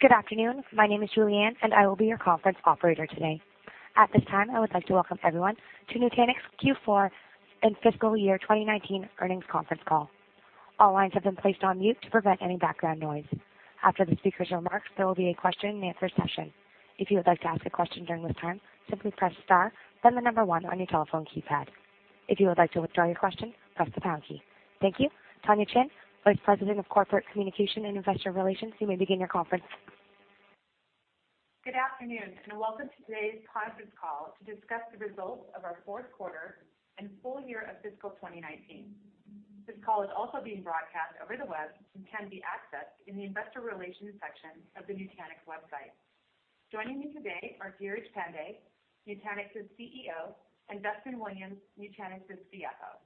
Good afternoon. My name is Julianne, I will be your conference operator today. At this time, I would like to welcome everyone to Nutanix Q4 and fiscal year 2019 earnings conference call. All lines have been placed on mute to prevent any background noise. After the speaker's remarks, there will be a question and answer session. If you would like to ask a question during this time, simply press star, then the number 1 on your telephone keypad. If you would like to withdraw your question, press the pound key. Thank you. Tonya Chin, Vice President of Corporate Communications and Investor Relations, you may begin your conference. Good afternoon, and welcome to today's conference call to discuss the results of our fourth quarter and full year of fiscal 2019. This call is also being broadcast over the web and can be accessed in the investor relations section of the Nutanix website. Joining me today are Dheeraj Pandey, Nutanix's CEO, and Duston Williams, Nutanix's CFO.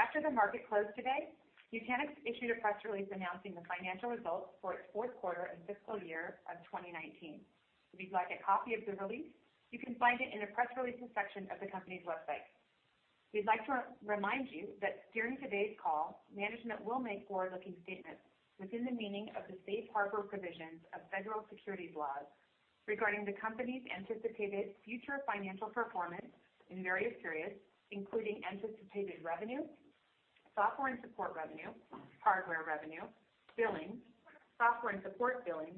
After the market closed today, Nutanix issued a press release announcing the financial results for its fourth quarter and fiscal year of 2019. If you'd like a copy of the release, you can find it in the press releases section of the company's website. We'd like to remind you that during today's call, management will make forward-looking statements within the meaning of the Safe Harbor provisions of federal securities laws regarding the company's anticipated future financial performance in various periods, including anticipated revenue, software and support revenue, hardware revenue, billing, software and support billing,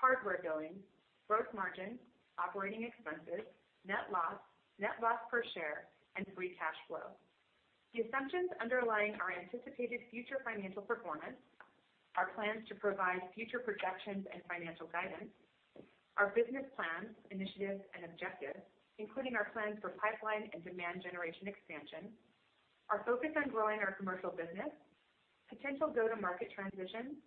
hardware billing, gross margin, operating expenses, net loss, net loss per share and free cash flow. The assumptions underlying our anticipated future financial performance, our plans to provide future projections and financial guidance, our business plans, initiatives and objectives, including our plans for pipeline and demand generation expansion, our focus on growing our commercial business, potential go-to-market transitions,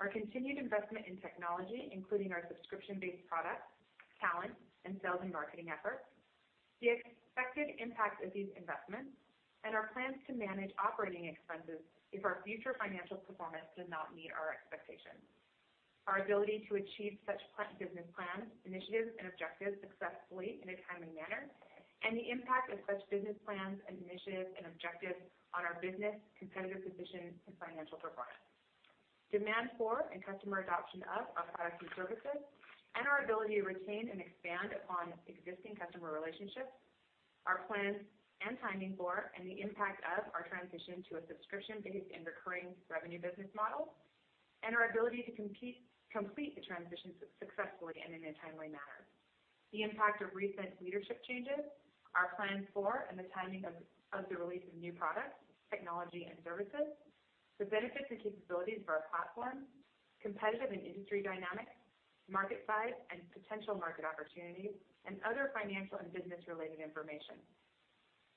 our continued investment in technology, including our subscription-based products, talent, and sales and marketing efforts. The expected impact of these investments and our plans to manage operating expenses if our future financial performance does not meet our expectations. Our ability to achieve such business plans, initiatives, and objectives successfully in a timely manner, and the impact of such business plans, initiatives, and objectives on our business, competitive position, and financial performance. Demand for and customer adoption of our products and services, and our ability to retain and expand upon existing customer relationships. Our plans and timing for, and the impact of our transition to a subscription-based and recurring revenue business model, and our ability to complete the transition successfully and in a timely manner. The impact of recent leadership changes, our plans for and the timing of the release of new products, technology and services, the benefits and capabilities of our platform, competitive and industry dynamics, market size and potential market opportunities, and other financial and business-related information.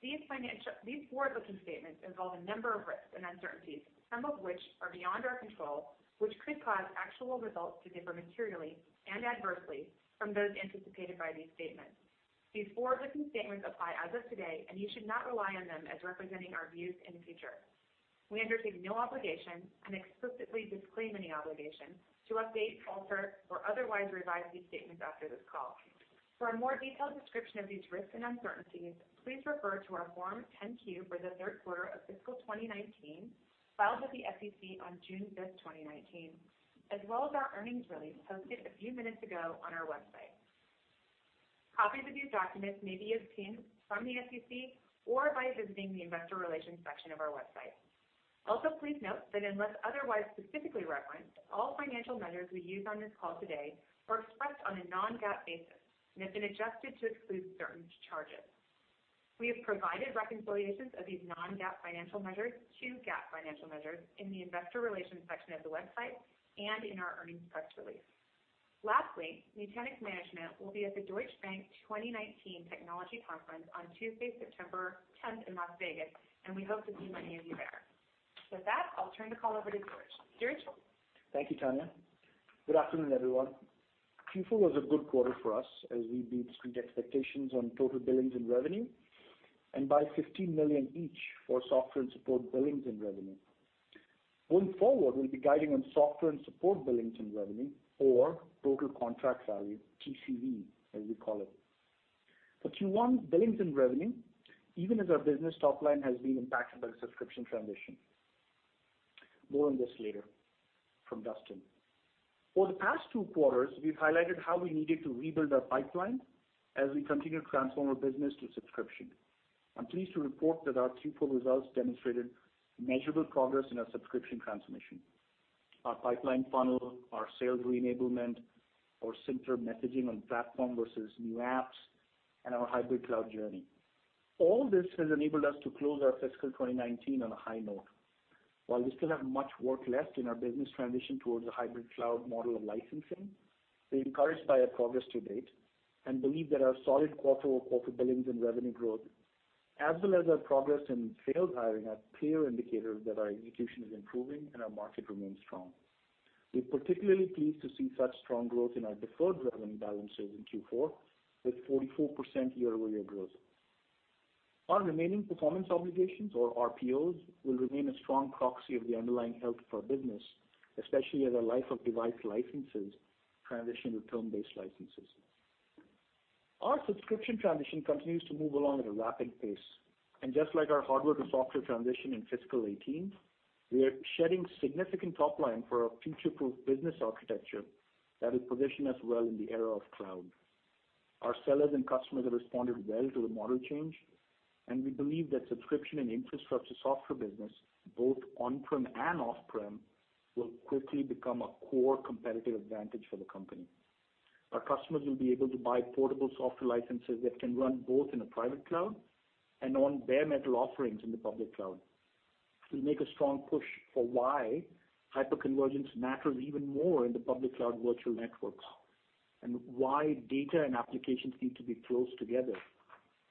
These forward-looking statements involve a number of risks and uncertainties, some of which are beyond our control, which could cause actual results to differ materially and adversely from those anticipated by these statements. These forward-looking statements apply as of today, and you should not rely on them as representing our views in the future. We undertake no obligation and explicitly disclaim any obligation to update, alter, or otherwise revise these statements after this call. For a more detailed description of these risks and uncertainties, please refer to our Form 10-Q for the third quarter of fiscal 2019, filed with the SEC on June 5th, 2019, as well as our earnings release posted a few minutes ago on our website. Copies of these documents may be obtained from the SEC or by visiting the investor relations section of our website. Please note that unless otherwise specifically referenced, all financial measures we use on this call today are expressed on a non-GAAP basis and have been adjusted to exclude certain charges. We have provided reconciliations of these non-GAAP financial measures to GAAP financial measures in the investor relations section of the website and in our earnings press release. Nutanix management will be at the Deutsche Bank 2019 Technology Conference on Tuesday, September 10th in Las Vegas. We hope to see many of you there. With that, I'll turn the call over to Dheeraj. Dheeraj? Thank you, Tonya. Good afternoon, everyone. Q4 was a good quarter for us as we beat street expectations on total billings and revenue and by $15 million each for software and support billings and revenue. Going forward, we'll be guiding on software and support billings and revenue or total contract value, TCV, as we call it. For Q1 billings and revenue, even as our business top line has been impacted by the subscription transition. More on this later from Duston. For the past two quarters, we've highlighted how we needed to rebuild our pipeline as we continue to transform our business to subscription. I'm pleased to report that our Q4 results demonstrated measurable progress in our subscription transformation. Our pipeline funnel, our sales re-enablement, our simpler messaging on platform versus new apps, and our hybrid cloud journey. All this has enabled us to close our fiscal 2019 on a high note. While we still have much work left in our business transition towards a hybrid cloud model of licensing, we're encouraged by our progress to date and believe that our solid quarter-over-quarter billings and revenue growth, as well as our progress in sales hiring, are clear indicators that our execution is improving and our market remains strong. We're particularly pleased to see such strong growth in our deferred revenue balances in Q4, with 44% year-over-year growth. Our remaining performance obligations or RPOs will remain a strong proxy of the underlying health of our business, especially as our life of device licenses transition to term-based licenses. Our subscription transition continues to move along at a rapid pace. Just like our hardware to software transition in fiscal 2018, we are shedding significant top line for our future-proof business architecture that will position us well in the era of cloud. Our sellers and customers have responded well to the model change, and we believe that subscription and infrastructure software business, both on-prem and off-prem, will quickly become a core competitive advantage for the company. Our customers will be able to buy portable software licenses that can run both in a private cloud and on bare metal offerings in the public cloud. We make a strong push for why hyperconvergence matters even more in the public cloud virtual networks and why data and applications need to be close together,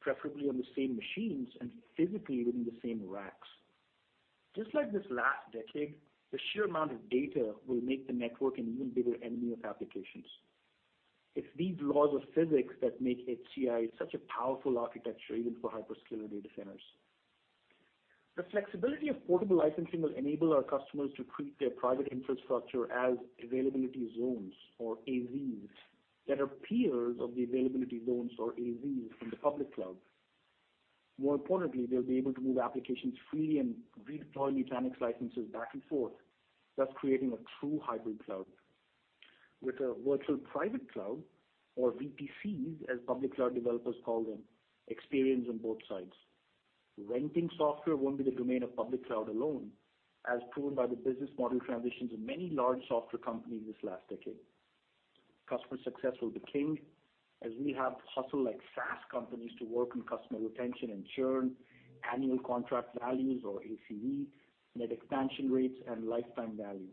preferably on the same machines and physically within the same racks. Just like this last decade, the sheer amount of data will make the network an even bigger enemy of applications. It's these laws of physics that make HCI such a powerful architecture, even for hyperscaler data centers. The flexibility of portable licensing will enable our customers to treat their private infrastructure as availability zones, or AZs, that are peers of the availability zones, or AZs, in the public cloud. More importantly, they'll be able to move applications freely and redeploy Nutanix licenses back and forth, thus creating a true hybrid cloud. With a virtual private cloud, or VPCs, as public cloud developers call them, experience on both sides. Renting software won't be the domain of public cloud alone, as proved by the business model transitions of many large software companies this last decade. Customer success will be king, as we have hustle like SaaS companies to work on customer retention and churn, annual contract values, or ACV, net expansion rates, and lifetime value.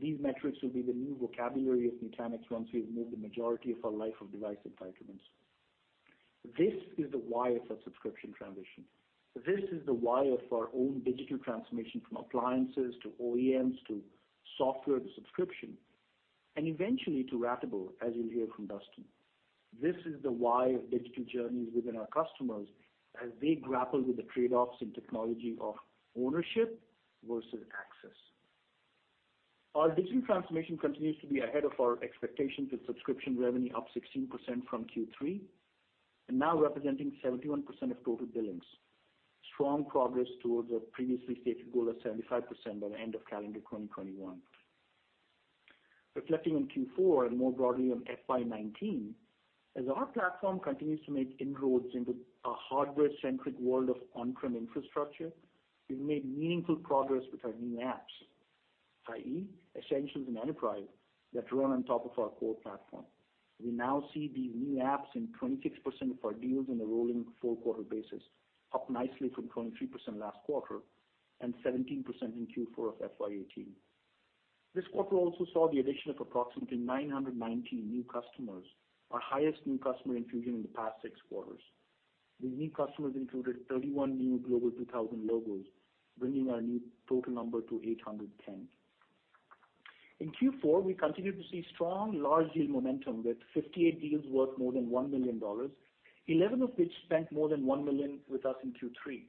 These metrics will be the new vocabulary of Nutanix once we have moved the majority of our life of device entitlements. This is the why of our subscription transition. This is the why of our own digital transformation from appliances to OEMs to software to subscription, and eventually to ratable, as you'll hear from Duston. This is the why of digital journeys within our customers as they grapple with the trade-offs in technology of ownership versus access. Our digital transformation continues to be ahead of our expectations with subscription revenue up 16% from Q3, and now representing 71% of total billings. Strong progress towards our previously stated goal of 75% by the end of calendar 2021. Reflecting on Q4 and more broadly on FY 2019, as our platform continues to make inroads into a hardware-centric world of on-prem infrastructure, we've made meaningful progress with our new apps, i.e. Essentials and Enterprise, that run on top of our core platform. We now see these new apps in 26% of our deals in the rolling four-quarter basis, up nicely from 23% last quarter and 17% in Q4 of FY 2018. This quarter also saw the addition of approximately 919 new customers, our highest new customer infusion in the past six quarters. These new customers included 31 new Global 2000 logos, bringing our new total number to 810. In Q4, we continued to see strong large deal momentum with 58 deals worth more than $1 million, 11 of which spent more than $1 million with us in Q3.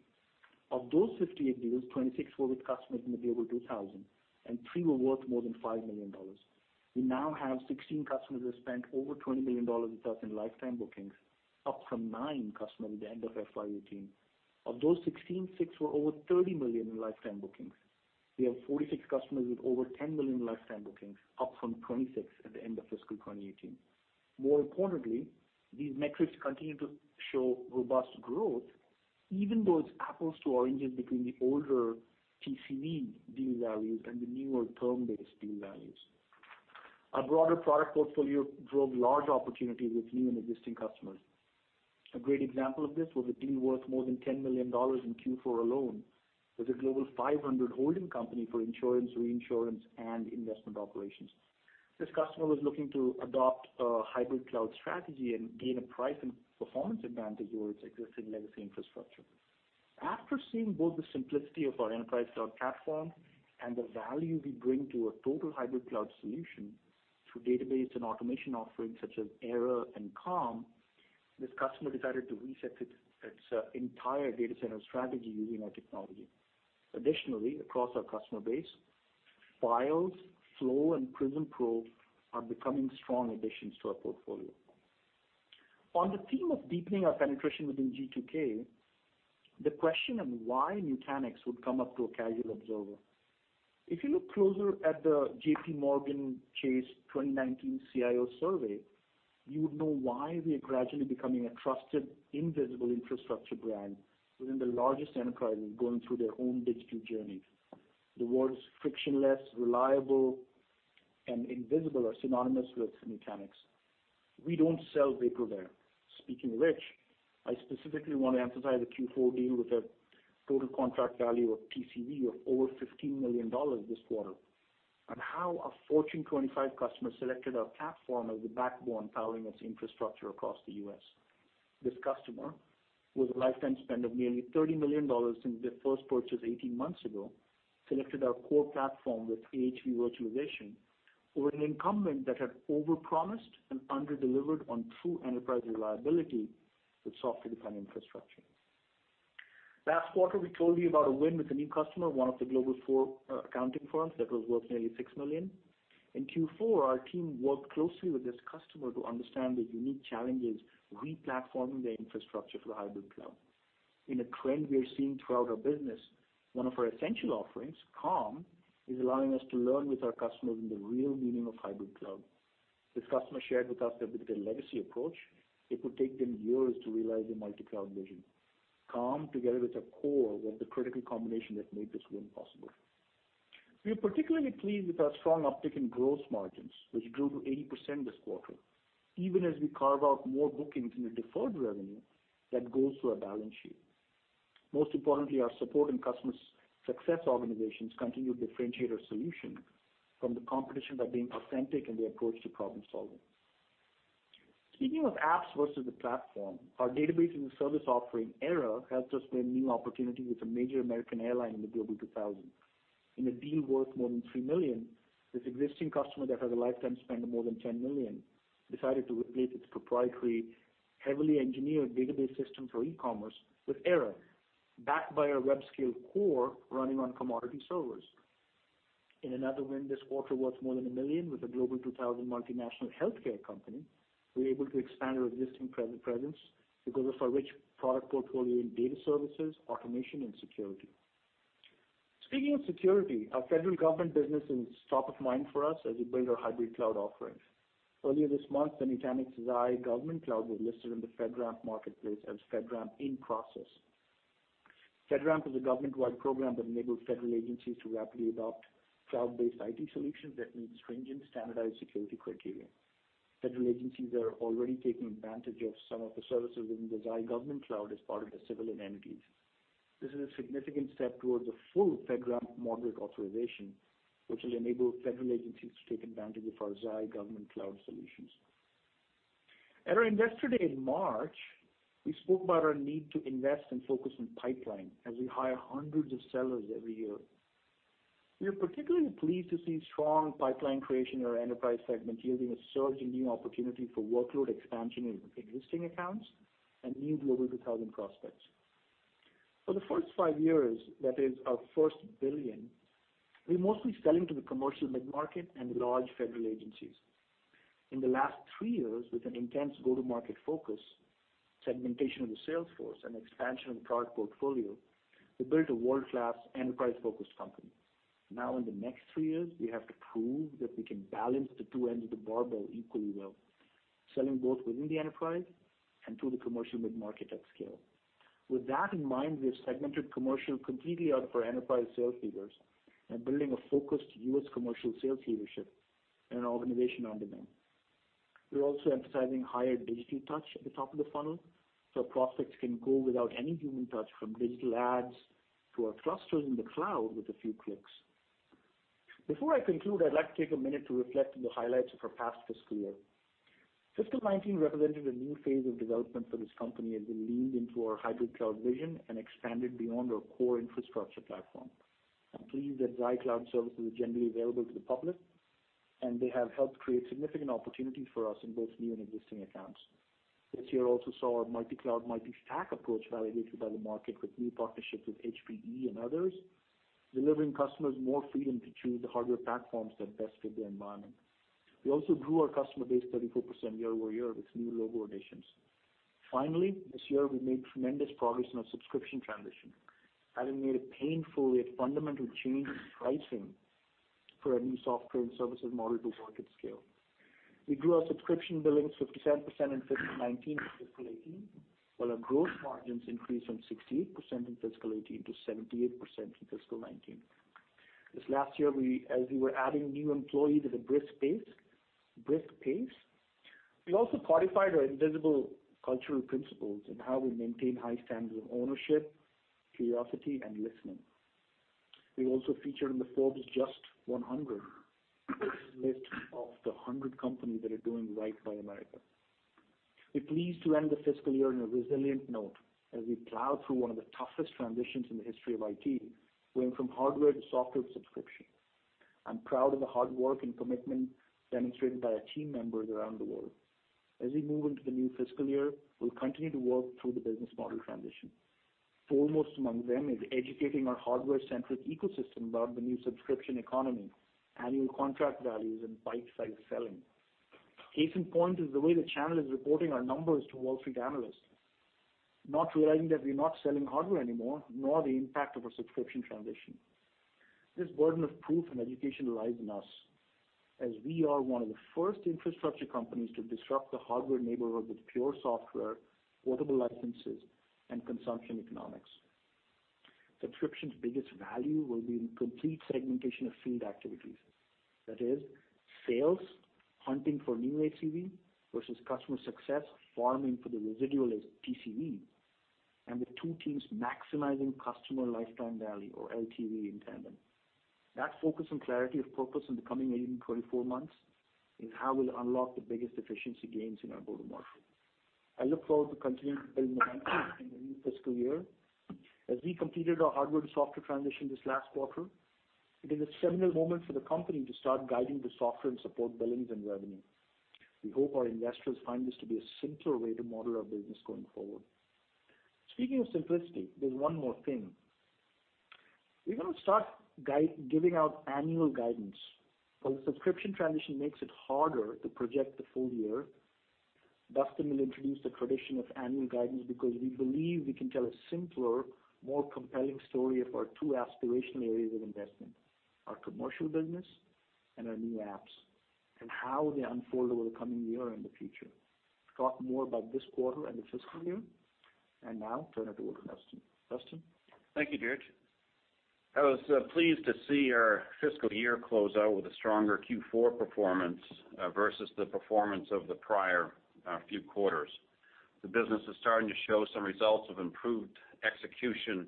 Of those 58 deals, 26 were with customers in the Global 2000, and three were worth more than $5 million. We now have 16 customers that spent over $20 million with us in lifetime bookings, up from nine customers at the end of FY 2018. Of those 16, six were over $30 million in lifetime bookings. We have 46 customers with over $10 million in lifetime bookings, up from 26 at the end of fiscal 2018. More importantly, these metrics continue to show robust growth, even though it's apples to oranges between the older TCV deal values and the newer term-based deal values. Our broader product portfolio drove large opportunities with new and existing customers. A great example of this was a deal worth more than $10 million in Q4 alone with a Global 500 holding company for insurance, reinsurance, and investment operations. This customer was looking to adopt a hybrid cloud strategy and gain a price and performance advantage over its existing legacy infrastructure. After seeing both the simplicity of our Enterprise Cloud platform and the value we bring to a total hybrid cloud solution through database and automation offerings such as Era and Calm, this customer decided to reset its entire data center strategy using our technology. Additionally, across our customer base, Files, Flow, and Prism Pro are becoming strong additions to our portfolio. On the theme of deepening our penetration within G2K, the question of why Nutanix would come up to a casual observer. If you look closer at the JPMorgan Chase 2019 CIO survey, you would know why we are gradually becoming a trusted invisible infrastructure brand within the largest enterprises going through their own digital journey. The words frictionless, reliable, and invisible are synonymous with Nutanix. We don't sell vaporware. Speaking of which, I specifically want to emphasize a Q4 deal with a total contract value of TCV of over $15 million this quarter, and how a Fortune 25 customer selected our platform as the backbone powering its infrastructure across the U.S. This customer, with a lifetime spend of nearly $30 million since their first purchase 18 months ago, selected our core platform with AHV Virtualization over an incumbent that had overpromised and underdelivered on true enterprise reliability with software-defined infrastructure. Last quarter, we told you about a win with a new customer, one of the global four accounting firms, that was worth nearly $6 million. In Q4, our team worked closely with this customer to understand their unique challenges replatforming their infrastructure for the hybrid cloud. In a trend we are seeing throughout our business, one of our essential offerings, Calm, is allowing us to learn with our customers in the real meaning of hybrid cloud. This customer shared with us that with their legacy approach, it would take them years to realize their multi-cloud vision. Calm, together with our core, was the critical combination that made this win possible. We are particularly pleased with our strong uptick in gross margins, which grew to 80% this quarter, even as we carve out more bookings in the deferred revenue that goes to our balance sheet. Most importantly, our support and customer success organizations continue to differentiate our solution from the competition by being authentic in their approach to problem-solving. Speaking of apps versus the platform, our database-as-a-service offering, Era, helped us win new opportunity with a major American airline in the Global 2000. In a deal worth more than $3 million, this existing customer that has a lifetime spend of more than $10 million decided to replace its proprietary, heavily engineered database system for e-commerce with Era, backed by our web-scale core running on commodity servers. In another win this quarter worth more than $1 million with a Global 2000 multinational healthcare company, we were able to expand our existing presence because of our rich product portfolio in data services, automation, and security. Speaking of security, our federal government business is top of mind for us as we build our hybrid cloud offerings. Earlier this month, the Nutanix Xi Government Cloud was listed in the FedRAMP marketplace as FedRAMP in process. FedRAMP is a government-wide program that enables federal agencies to rapidly adopt cloud-based IT solutions that meet stringent standardized security criteria. Federal agencies are already taking advantage of some of the services in the Xi Government Cloud as part of the civilian entities. This is a significant step towards a full FedRAMP moderate authorization, which will enable federal agencies to take advantage of our Xi Government Cloud solutions. At our Investor Day in March, we spoke about our need to invest and focus on pipeline as we hire hundreds of sellers every year. We are particularly pleased to see strong pipeline creation in our enterprise segment, yielding a surge in new opportunity for workload expansion in existing accounts and new Global 2000 prospects. For the first five years, that is our first $1 billion, we're mostly selling to the commercial mid-market and large federal agencies. In the last three years, with an intense go-to-market focus, segmentation of the sales force, and expansion of the product portfolio, we built a world-class enterprise-focused company. In the next three years, we have to prove that we can balance the two ends of the barbell equally well, selling both within the Enterprise and to the commercial mid-market at scale. With that in mind, we have segmented commercial completely out of our Enterprise sales leaders and building a focused U.S. commercial sales leadership and an organization under them. We are also emphasizing higher digital touch at the top of the funnel so prospects can go without any human touch from digital ads to our clusters in the cloud with a few clicks. Before I conclude, I would like to take a minute to reflect on the highlights of our past fiscal year. Fiscal 2019 represented a new phase of development for this company as we leaned into our hybrid cloud vision and expanded beyond our core infrastructure platform. I'm pleased that Xi Cloud Services are generally available to the public, they have helped create significant opportunities for us in both new and existing accounts. This year also saw our multi-cloud, multi-stack approach validated by the market with new partnerships with HPE and others, delivering customers more freedom to choose the hardware platforms that best fit their environment. We also grew our customer base 34% year-over-year with new logo additions. This year, we made tremendous progress in our subscription transition, having made a painful yet fundamental change in pricing for our new software and services model to market scale. We grew our subscription billings 57% in fiscal 2019 to fiscal 2018, while our gross margins increased from 68% in fiscal 2018 to 78% in fiscal 2019. This last year, as we were adding new employees at a brisk pace, we also codified our invisible cultural principles in how we maintain high standards of ownership, curiosity, and listening. We also featured in the Forbes JUST 100 list of the 100 companies that are doing right by America. We're pleased to end the fiscal year on a resilient note as we plow through one of the toughest transitions in the history of IT, going from hardware to software subscription. I'm proud of the hard work and commitment demonstrated by our team members around the world. As we move into the new fiscal year, we'll continue to work through the business model transition. Foremost among them is educating our hardware-centric ecosystem about the new subscription economy, annual contract values, and bite-size selling. Case in point is the way the channel is reporting our numbers to Wall Street analysts, not realizing that we're not selling hardware anymore, nor the impact of a subscription transition. This burden of proof and education lies in us, as we are one of the first infrastructure companies to disrupt the hardware neighborhood with pure software, portable licenses, and consumption economics. Subscription's biggest value will be in complete segmentation of field activities. That is, sales hunting for new ACV versus customer success farming for the residual as PCV, and the two teams maximizing customer lifetime value or LTV in tandem. That focus and clarity of purpose in the coming 18 to 24 months is how we'll unlock the biggest efficiency gains in our go-to-market. I look forward to continuing to build momentum in the new fiscal year. As we completed our hardware-to-software transition this last quarter, it is a seminal moment for the company to start guiding the software and support billings and revenue. We hope our investors find this to be a simpler way to model our business going forward. Speaking of simplicity, there's one more thing. We're going to start giving out annual guidance. While the subscription transition makes it harder to project the full year, Duston will introduce the tradition of annual guidance because we believe we can tell a simpler, more compelling story of our two aspirational areas of investment, our commercial business and our new apps, and how they unfold over the coming year and the future. Talk more about this quarter and the fiscal year, and now turn it over to Duston. Duston? Thank you, Dheeraj. I was pleased to see our fiscal year close out with a stronger Q4 performance versus the performance of the prior few quarters. The business is starting to show some results of improved execution,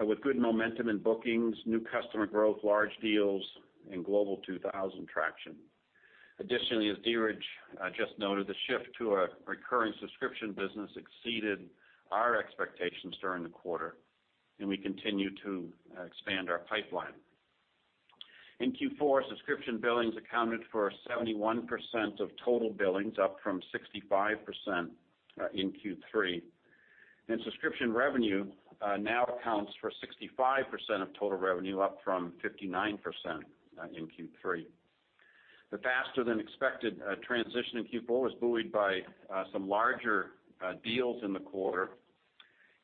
with good momentum in bookings, new customer growth, large deals, and Global 2000 traction. Additionally, as Dheeraj just noted, the shift to a recurring subscription business exceeded our expectations during the quarter, and we continue to expand our pipeline. In Q4, subscription billings accounted for 71% of total billings, up from 65% in Q3. Subscription revenue now accounts for 65% of total revenue, up from 59% in Q3. The faster than expected transition in Q4 was buoyed by some larger deals in the quarter.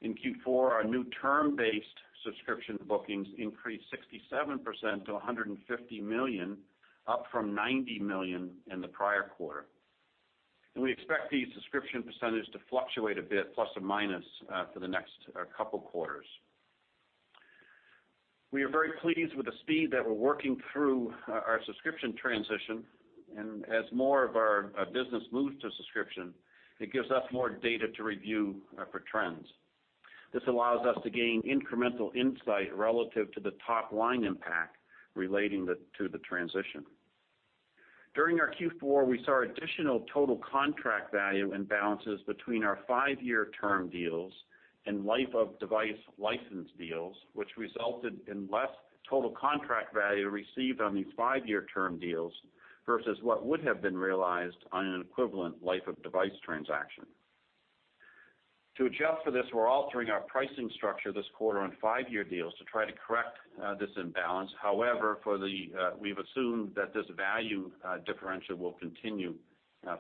In Q4, our new term-based subscription bookings increased 67% to $150 million, up from $90 million in the prior quarter. We expect these subscription percentage to fluctuate a bit ± for the next couple quarters. We are very pleased with the speed that we're working through our subscription transition, and as more of our business moves to subscription, it gives us more data to review for trends. This allows us to gain incremental insight relative to the top-line impact relating to the transition. During our Q4, we saw additional total contract value imbalances between our five-year term deals and life-of-device license deals, which resulted in less total contract value received on these five-year term deals versus what would have been realized on an equivalent life-of-device transaction. To adjust for this, we're altering our pricing structure this quarter on five-year deals to try to correct this imbalance. However, we've assumed that this value differential will continue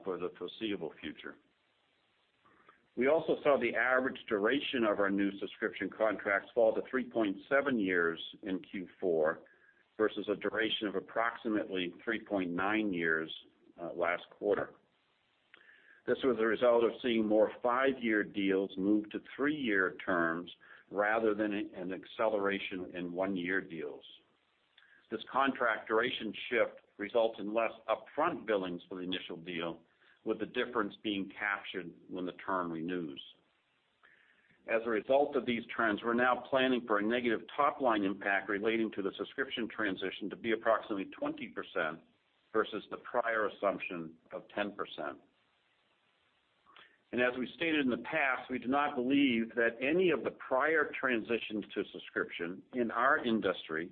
for the foreseeable future. We also saw the average duration of our new subscription contracts fall to 3.7 years in Q4 versus a duration of approximately 3.9 years last quarter. This was a result of seeing more five-year deals move to three-year terms rather than an acceleration in one-year deals. This contract duration shift results in less upfront billings for the initial deal, with the difference being captured when the term renews. As a result of these trends, we're now planning for a negative top-line impact relating to the subscription transition to be approximately 20% versus the prior assumption of 10%. As we stated in the past, we do not believe that any of the prior transitions to subscription in our industry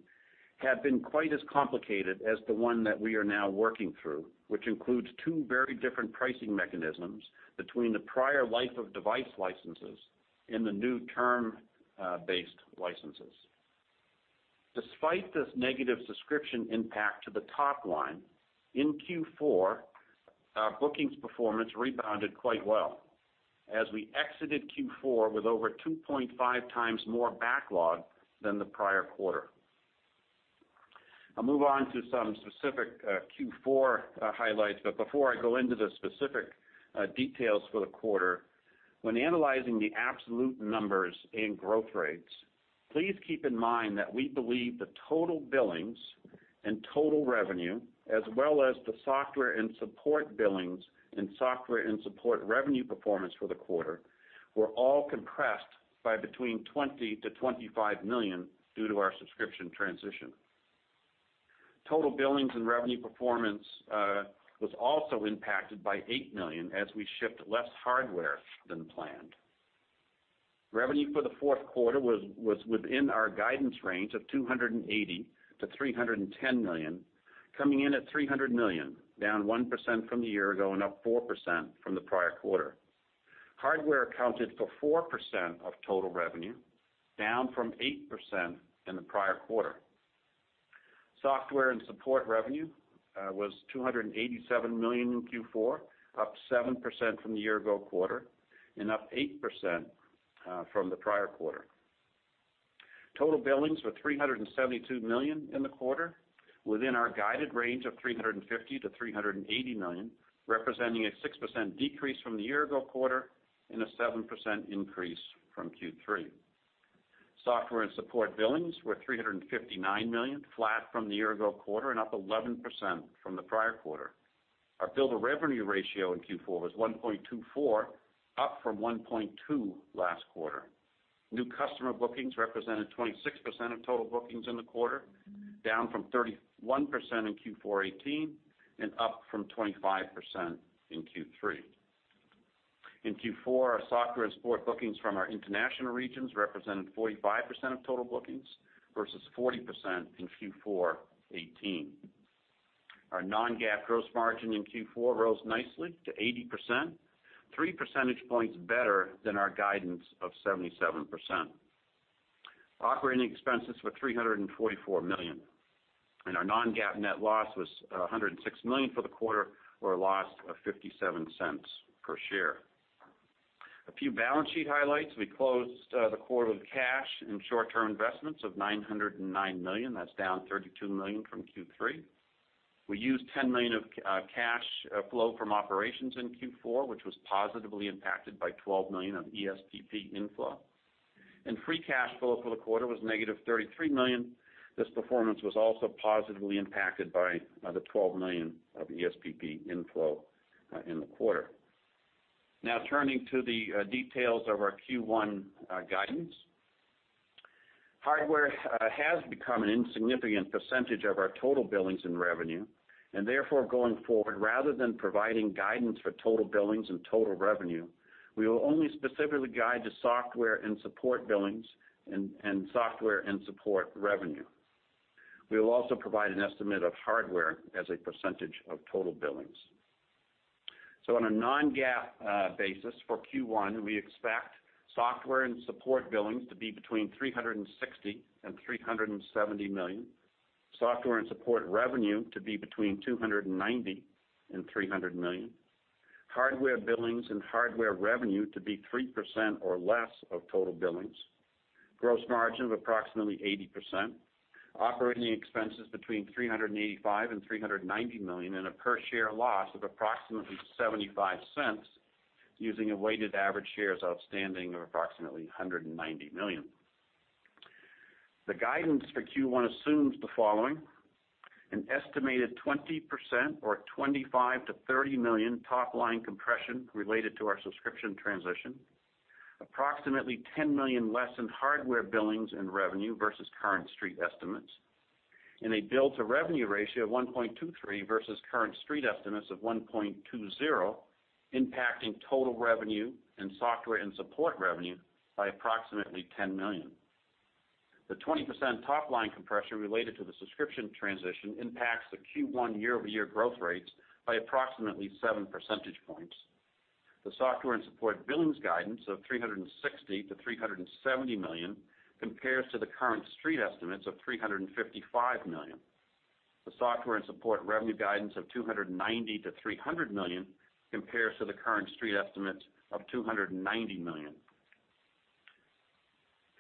have been quite as complicated as the one that we are now working through, which includes two very different pricing mechanisms between the prior life-of-device licenses and the new term-based licenses. Despite this negative subscription impact to the top line, in Q4, our bookings performance rebounded quite well as we exited Q4 with over 2.5 times more backlog than the prior quarter. I'll move on to some specific Q4 highlights, but before I go into the specific details for the quarter, when analyzing the absolute numbers in growth rates, please keep in mind that we believe the total billings and total revenue, as well as the software and support billings and software and support revenue performance for the quarter, were all compressed by between $20 million-$25 million due to our subscription transition. Total billings and revenue performance was also impacted by $8 million as we shipped less hardware than planned. Revenue for the fourth quarter was within our guidance range of $280 million-$310 million, coming in at $300 million, down 1% from the year-ago and up 4% from the prior quarter. Hardware accounted for 4% of total revenue, down from 8% in the prior quarter. Software and support revenue was $287 million in Q4, up 7% from the year-ago quarter and up 8% from the prior quarter. Total billings were $372 million in the quarter, within our guided range of $350 million-$380 million, representing a 6% decrease from the year-ago quarter and a 7% increase from Q3. Software and support billings were $359 million, flat from the year-ago quarter and up 11% from the prior quarter. Our bill to revenue ratio in Q4 was 1.24, up from 1.2 last quarter. New customer bookings represented 26% of total bookings in the quarter, down from 31% in Q4 2018 and up from 25% in Q3. In Q4, our software and support bookings from our international regions represented 45% of total bookings, versus 40% in Q4 2018. Our non-GAAP gross margin in Q4 rose nicely to 80%, three percentage points better than our guidance of 77%. Operating expenses were $344 million, and our non-GAAP net loss was $106 million for the quarter, or a loss of $0.57 per share. A few balance sheet highlights. We closed the quarter with cash and short-term investments of $909 million. That's down $32 million from Q3. We used $10 million of cash flow from operations in Q4, which was positively impacted by $12 million of ESPP inflow. Free cash flow for the quarter was negative $33 million. This performance was also positively impacted by the $12 million of ESPP inflow in the quarter. Turning to the details of our Q1 guidance. Hardware has become an insignificant percentage of our total billings and revenue, and therefore, going forward, rather than providing guidance for total billings and total revenue, we will only specifically guide to software and support billings and software and support revenue. We will also provide an estimate of hardware as a percentage of total billings. On a non-GAAP basis for Q1, we expect software and support billings to be between $360 million and $370 million, software and support revenue to be between $290 million and $300 million, hardware billings and hardware revenue to be 3% or less of total billings, gross margin of approximately 80%, operating expenses between $385 million and $390 million, and a per-share loss of approximately $0.75 using a weighted average shares outstanding of approximately 190 million. The guidance for Q1 assumes the following: An estimated 20%, or $25 million to $30 million top-line compression related to our subscription transition, approximately $10 million less in hardware billings and revenue versus current Street estimates, and a bill to revenue ratio of 1.23 versus current Street estimates of 1.20, impacting total revenue and software and support revenue by approximately $10 million. The 20% top-line compression related to the subscription transition impacts the Q1 year-over-year growth rates by approximately seven percentage points. The software and support billings guidance of $360 million-$370 million compares to the current Street estimates of $355 million. The software and support revenue guidance of $290 million-$300 million compares to the current Street estimates of $290 million.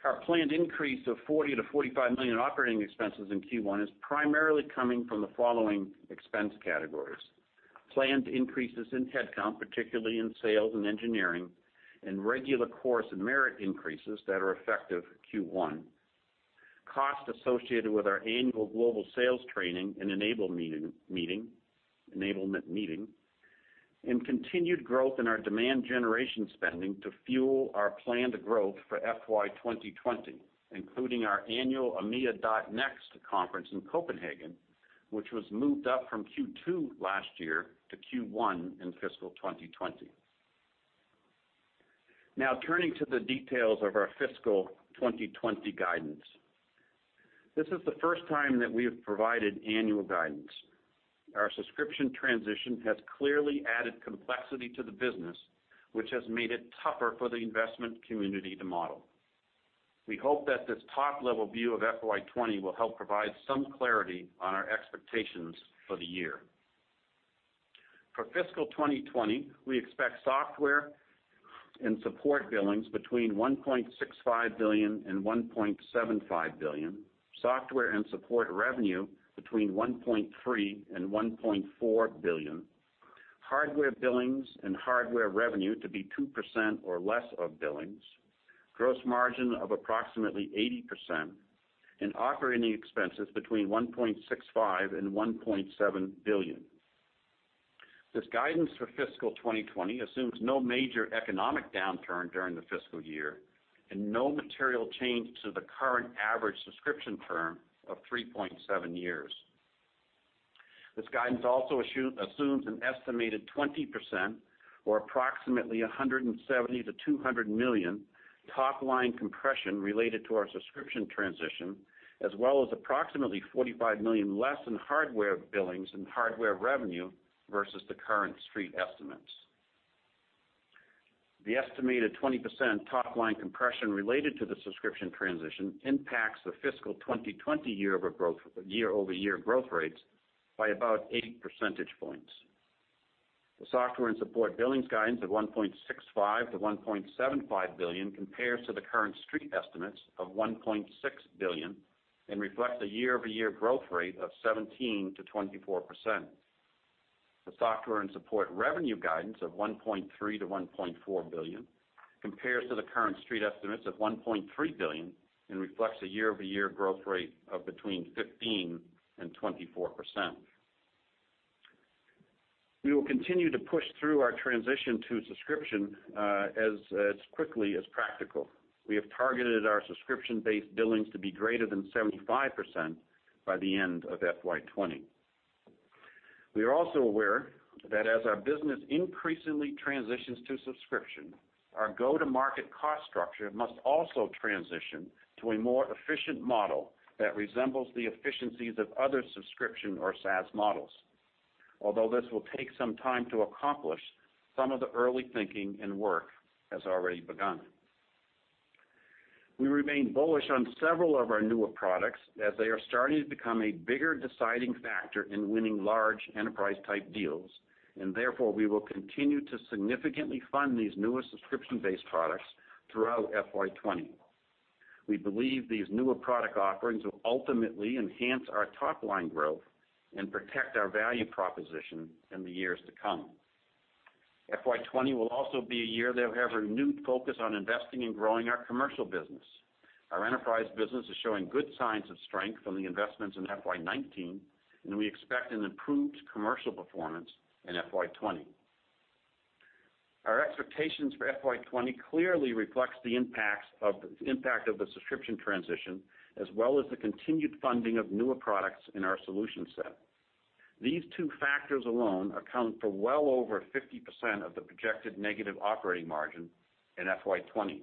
Our planned increase of $40 million-$45 million operating expenses in Q1 is primarily coming from the following expense categories: Planned increases in headcount, particularly in sales and engineering, and regular course and merit increases that are effective Q1, cost associated with our annual global sales training and enablement meeting, and continued growth in our demand generation spending to fuel our planned growth for FY 2020, including our annual EMEA .NEXT conference in Copenhagen, which was moved up from Q2 last year to Q1 in fiscal 2020. Turning to the details of our fiscal 2020 guidance. This is the first time that we have provided annual guidance. Our subscription transition has clearly added complexity to the business, which has made it tougher for the investment community to model. We hope that this top-level view of FY 2020 will help provide some clarity on our expectations for the year. For fiscal 2020, we expect software and support billings between $1.65 billion and $1.75 billion, software and support revenue between $1.3 billion and $1.4 billion, hardware billings and hardware revenue to be 2% or less of billings, gross margin of approximately 80%, and operating expenses between $1.65 billion and $1.7 billion. This guidance for fiscal 2020 assumes no major economic downturn during the fiscal year and no material change to the current average subscription term of 3.7 years. This guidance also assumes an estimated 20%, or approximately $170 million-$200 million, top-line compression related to our subscription transition, as well as approximately $45 million less in hardware billings and hardware revenue versus the current Street estimates. The estimated 20% top-line compression related to the subscription transition impacts the fiscal 2020 year-over-year growth rates by about eight percentage points. The software and support billings guidance of $1.65 billion-$1.75 billion compares to the current Street estimates of $1.6 billion and reflects a year-over-year growth rate of 17%-24%. The software and support revenue guidance of $1.3 billion-$1.4 billion compares to the current Street estimates of $1.3 billion and reflects a year-over-year growth rate of between 15% and 24%. We will continue to push through our transition to subscription as quickly as practical. We have targeted our subscription-based billings to be greater than 75% by the end of FY 2020. We are also aware that as our business increasingly transitions to subscription, our go-to-market cost structure must also transition to a more efficient model that resembles the efficiencies of other subscription or SaaS models. Although this will take some time to accomplish, some of the early thinking and work has already begun. We remain bullish on several of our newer products as they are starting to become a bigger deciding factor in winning large enterprise-type deals. Therefore, we will continue to significantly fund these newer subscription-based products throughout FY 2020. We believe these newer product offerings will ultimately enhance our top-line growth and protect our value proposition in the years to come. FY 2020 will also be a year that we have a renewed focus on investing in growing our commercial business. Our enterprise business is showing good signs of strength from the investments in FY 2019, and we expect an improved commercial performance in FY 2020. Our expectations for FY 2020 clearly reflects the impact of the subscription transition, as well as the continued funding of newer products in our solution set. These two factors alone account for well over 50% of the projected negative operating margin in FY 2020.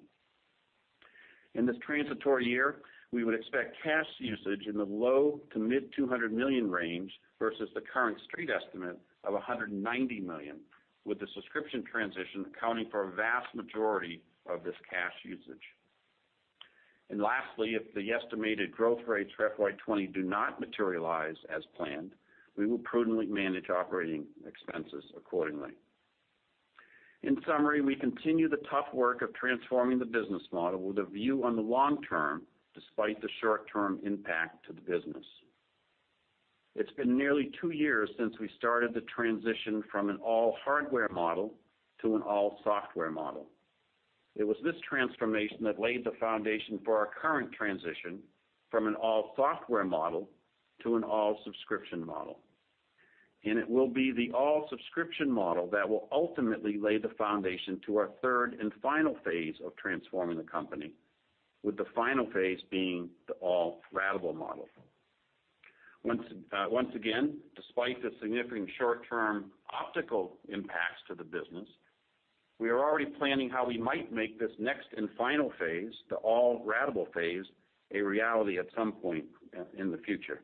In this transitory year, we would expect cash usage in the low to mid-$200 million range versus the current Street estimate of $190 million, with the subscription transition accounting for a vast majority of this cash usage. Lastly, if the estimated growth rates for FY 2020 do not materialize as planned, we will prudently manage operating expenses accordingly. In summary, we continue the tough work of transforming the business model with a view on the long term despite the short-term impact to the business. It's been nearly two years since we started the transition from an all hardware model to an all software model. It was this transformation that laid the foundation for our current transition from an all software model to an all subscription model. It will be the all subscription model that will ultimately lay the foundation to our third and final phase of transforming the company, with the final phase being the all ratable model. Once again, despite the significant short-term optical impacts to the business, we are already planning how we might make this next and final phase, the all ratable phase, a reality at some point in the future.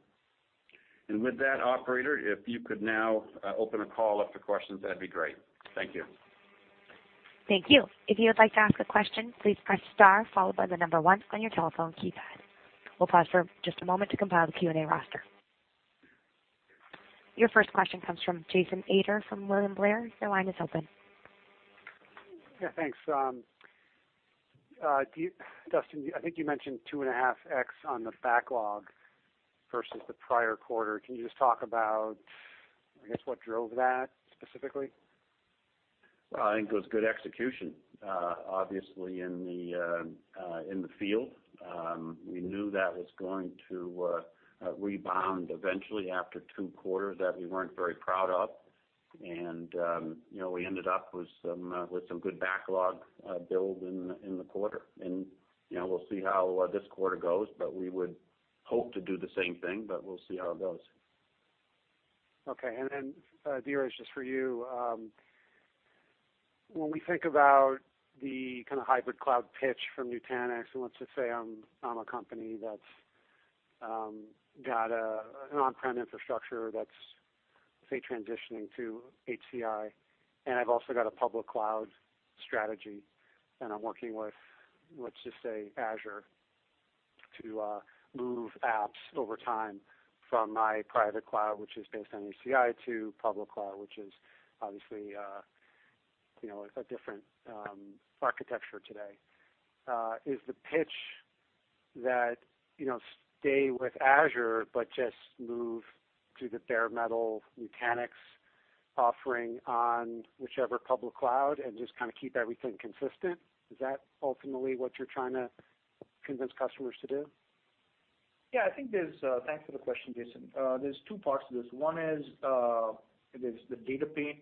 With that, operator, if you could now open a call up for questions, that'd be great. Thank you. Thank you. If you would like to ask a question, please press star followed by the number 1 on your telephone keypad. We'll pause for just a moment to compile the Q&A roster. Your first question comes from Jason Ader from William Blair. Your line is open. Yeah, thanks. Dustin, I think you mentioned 2.5x on the backlog versus the prior quarter. Can you just talk about, I guess, what drove that specifically? Well, I think it was good execution. Obviously, in the field. We knew that was going to rebound eventually after two quarters that we weren't very proud of. We ended up with some good backlog build in the quarter. We'll see how this quarter goes, but we would hope to do the same thing, but we'll see how it goes. Okay, Dheeraj, just for you. When we think about the kind of hybrid cloud pitch from Nutanix, and let's just say I'm a company that's got an on-prem infrastructure that's, say, transitioning to HCI, and I've also got a public cloud strategy, and I'm working with, let's just say, Azure to move apps over time from my private cloud, which is based on HCI, to public cloud, which is obviously a different architecture today. Is the pitch that stay with Azure, but just move to the bare metal Nutanix offering on whichever public cloud and just kind of keep everything consistent? Is that ultimately what you're trying to convince customers to do? Yeah, thanks for the question, Jason. There's two parts to this. One is there's the data plane,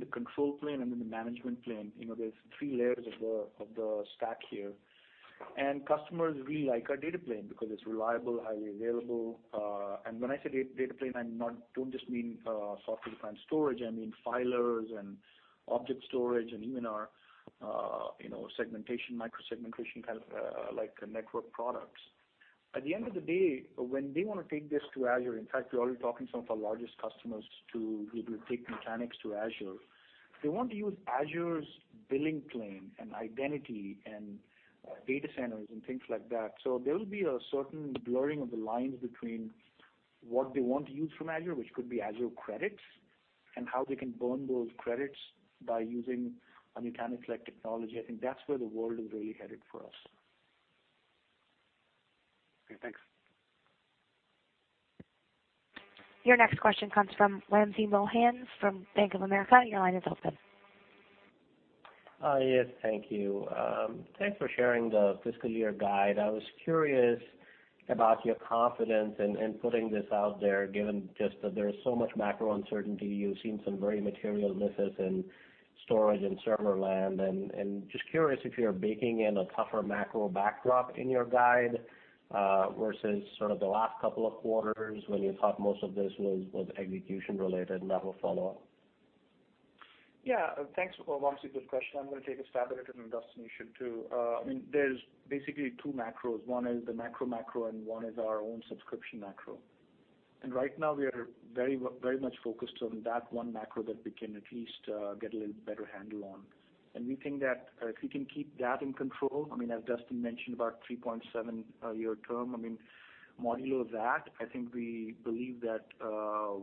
the control plane, and then the management plane. There's three layers of the stack here. Customers really like our data plane because it's reliable, highly available. When I say data plane, I don't just mean software-defined storage, I mean filers and object storage, and even our segmentation, micro-segmentation kind of network products. At the end of the day, when they want to take this to Azure, in fact, we're already talking to some of our largest customers to be able to take Nutanix to Azure. They want to use Azure's billing plane and identity and data centers and things like that. There will be a certain blurring of the lines between what they want to use from Azure, which could be Azure credits, and how they can burn those credits by using a Nutanix-like technology. I think that's where the world is really headed for us. Okay, thanks. Your next question comes from Wamsi Mohan from Bank of America. Your line is open. Yes, thank you. Thanks for sharing the fiscal year guide. I was curious about your confidence in putting this out there, given just that there is so much macro uncertainty. You've seen some very material misses in storage and server land, and just curious if you're baking in a tougher macro backdrop in your guide, versus sort of the last couple of quarters when you thought most of this was execution-related. I have a follow-up. Yeah. Thanks, Wamsi. Good question. I'm going to take a stab at it, and Duston, you should too. There's basically two macros. One is the macro macro, and one is our own subscription macro. Right now, we are very much focused on that one macro that we can at least get a little better handle on. We think that if we can keep that in control, as Duston mentioned, about 3.7 year term, modulo that, I think we believe that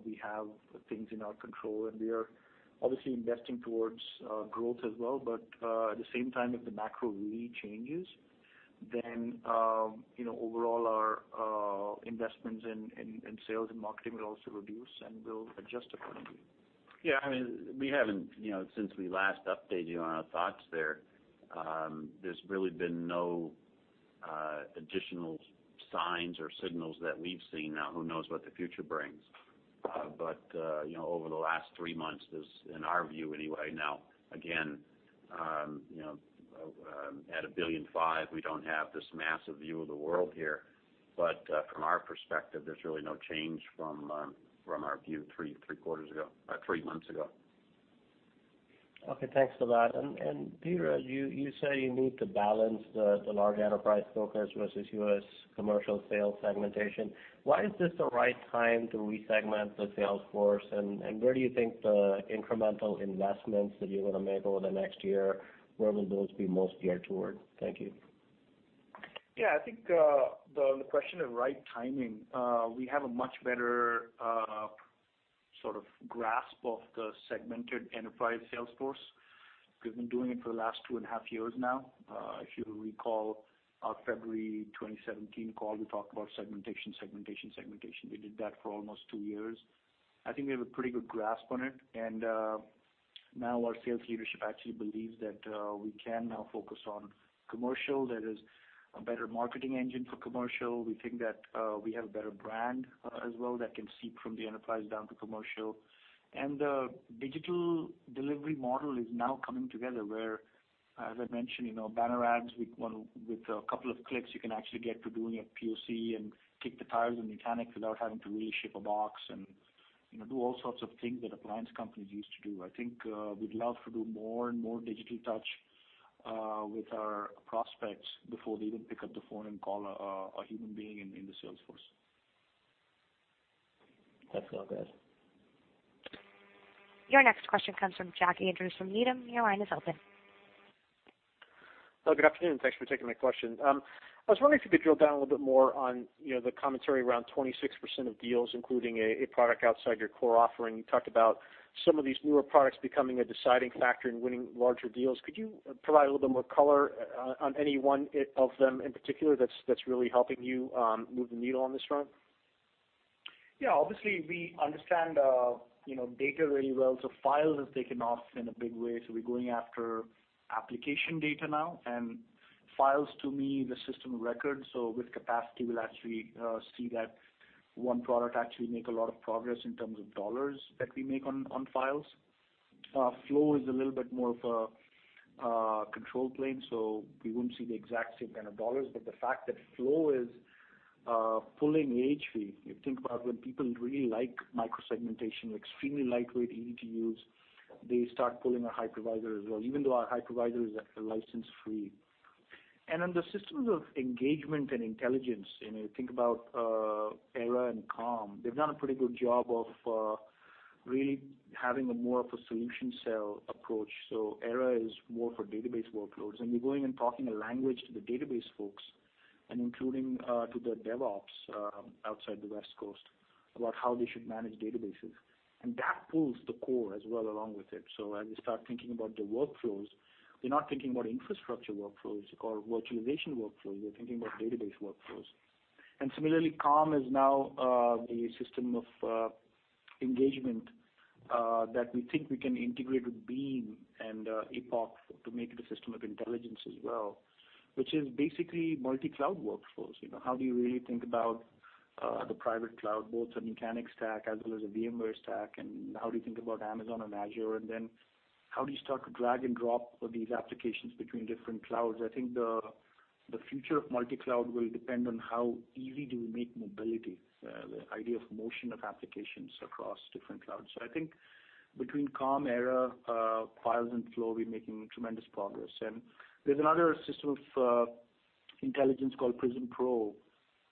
we have things in our control, and we are obviously investing towards growth as well. At the same time, if the macro really changes, then overall our investments in sales and marketing will also reduce, and we'll adjust accordingly. Yeah. Since we last updated you on our thoughts there's really been no additional signs or signals that we've seen. Who knows what the future brings? Over the last three months, in our view anyway. Again, at $1 billion and five, we don't have this massive view of the world here. From our perspective, there's really no change from our view three months ago. Okay. Thanks for that. Dheeraj, you say you need to balance the large enterprise focus versus U.S. commercial sales segmentation. Why is this the right time to re-segment the sales force? Where do you think the incremental investments that you're going to make over the next year, where will those be most geared towards? Thank you. Yeah. I think the question of right timing, we have a much better grasp of the segmented enterprise sales force. We've been doing it for the last two and a half years now. If you recall our February 2017 call, we talked about segmentation. We did that for almost two years. I think we have a pretty good grasp on it. Now our sales leadership actually believes that we can now focus on commercial. There is a better marketing engine for commercial. We think that we have a better brand as well that can seep from the enterprise down to commercial. The digital delivery model is now coming together where, as I mentioned, banner ads, with a couple of clicks, you can actually get to doing a POC and kick the tires on Nutanix without having to really ship a box and do all sorts of things that appliance companies used to do. I think we'd love to do more and more digital touch with our prospects before they even pick up the phone and call a human being in the sales force. That's all good. Your next question comes from Jack Andrews from Needham. Your line is open. Hello. Good afternoon. Thanks for taking my question. I was wondering if you could drill down a little bit more on the commentary around 26% of deals including a product outside your core offering. You talked about some of these newer products becoming a deciding factor in winning larger deals. Could you provide a little bit more color on any one of them in particular that's really helping you move the needle on this front? Obviously, we understand data really well. Files has taken off in a big way. We're going after application data now and Files to me, the system of record. With capacity, we'll actually see that one product actually make a lot of progress in terms of dollars that we make on Files. Flow is a little bit more of a control plane, so we wouldn't see the exact same kind of dollars. The fact that Flow is pulling AHV, you think about when people really like micro-segmentation, extremely lightweight, easy to use, they start pulling our hypervisor as well, even though our hypervisor is license-free. On the systems of engagement and intelligence, think about Era and Calm. They've done a pretty good job of really having more of a solution sell approach. Era is more for database workloads, we're going and talking a language to the database folks and including to the DevOps outside the West Coast about how they should manage databases. That pulls the core as well along with it. As we start thinking about the workflows, we're not thinking about infrastructure workflows or virtualization workflows, we're thinking about database workflows. Similarly, Calm is now the system of engagement that we think we can integrate with Beam and Epoch to make it a system of intelligence as well, which is basically multi-cloud workflows. How do you really think about the private cloud, both a Nutanix stack as well as a VMware stack, and how do you think about Amazon and Azure? Then how do you start to drag and drop these applications between different clouds? I think the future of multi-cloud will depend on how easy do we make mobility, the idea of motion of applications across different clouds. I think between Calm, Era, Files, and Flow, we're making tremendous progress. There's another system of intelligence called Prism Pro,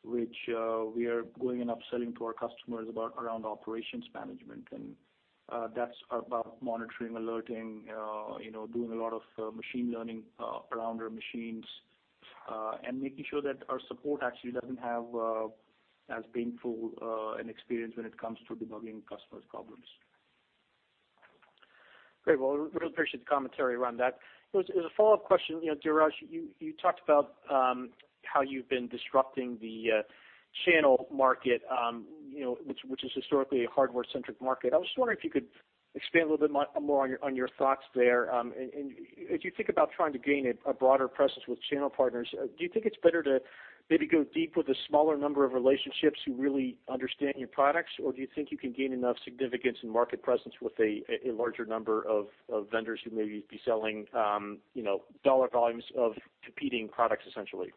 which we are going and upselling to our customers around operations management. That's about monitoring, alerting, doing a lot of machine learning around our machines, and making sure that our support actually doesn't have as painful an experience when it comes to debugging customers' problems. Great. Well, really appreciate the commentary around that. As a follow-up question, Dheeraj, you talked about how you've been disrupting the channel market which is historically a hardware-centric market. I was just wondering if you could expand a little bit more on your thoughts there. As you think about trying to gain a broader presence with channel partners, do you think it's better to maybe go deep with a smaller number of relationships who really understand your products? Do you think you can gain enough significance and market presence with a larger number of vendors who may be selling dollar volumes of competing products essentially? No,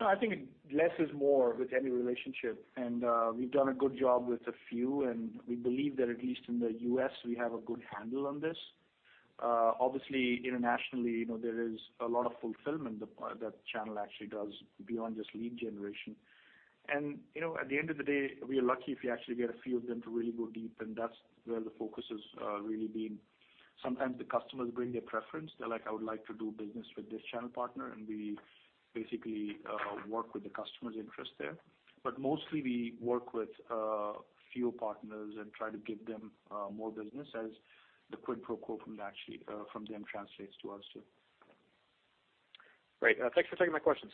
I think less is more with any relationship, and we've done a good job with a few, and we believe that at least in the U.S., we have a good handle on this. Obviously, internationally, there is a lot of fulfillment that channel actually does beyond just lead generation. At the end of the day, we are lucky if we actually get a few of them to really go deep, and that's where the focus has really been. Sometimes the customers bring their preference. They're like, "I would like to do business with this channel partner," and we basically work with the customer's interest there. Mostly we work with a few partners and try to give them more business as the quid pro quo from them translates to us, too. Great. Thanks for taking my questions.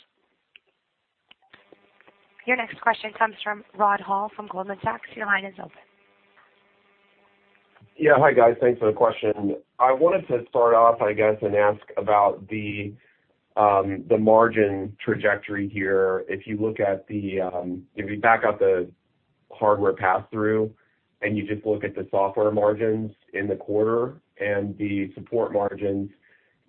Your next question comes from Rod Hall from Goldman Sachs. Your line is open. Yeah. Hi, guys. Thanks for the question. I wanted to start off, I guess, and ask about the margin trajectory here. If you back out the hardware passthrough and you just look at the software margins in the quarter and the support margins,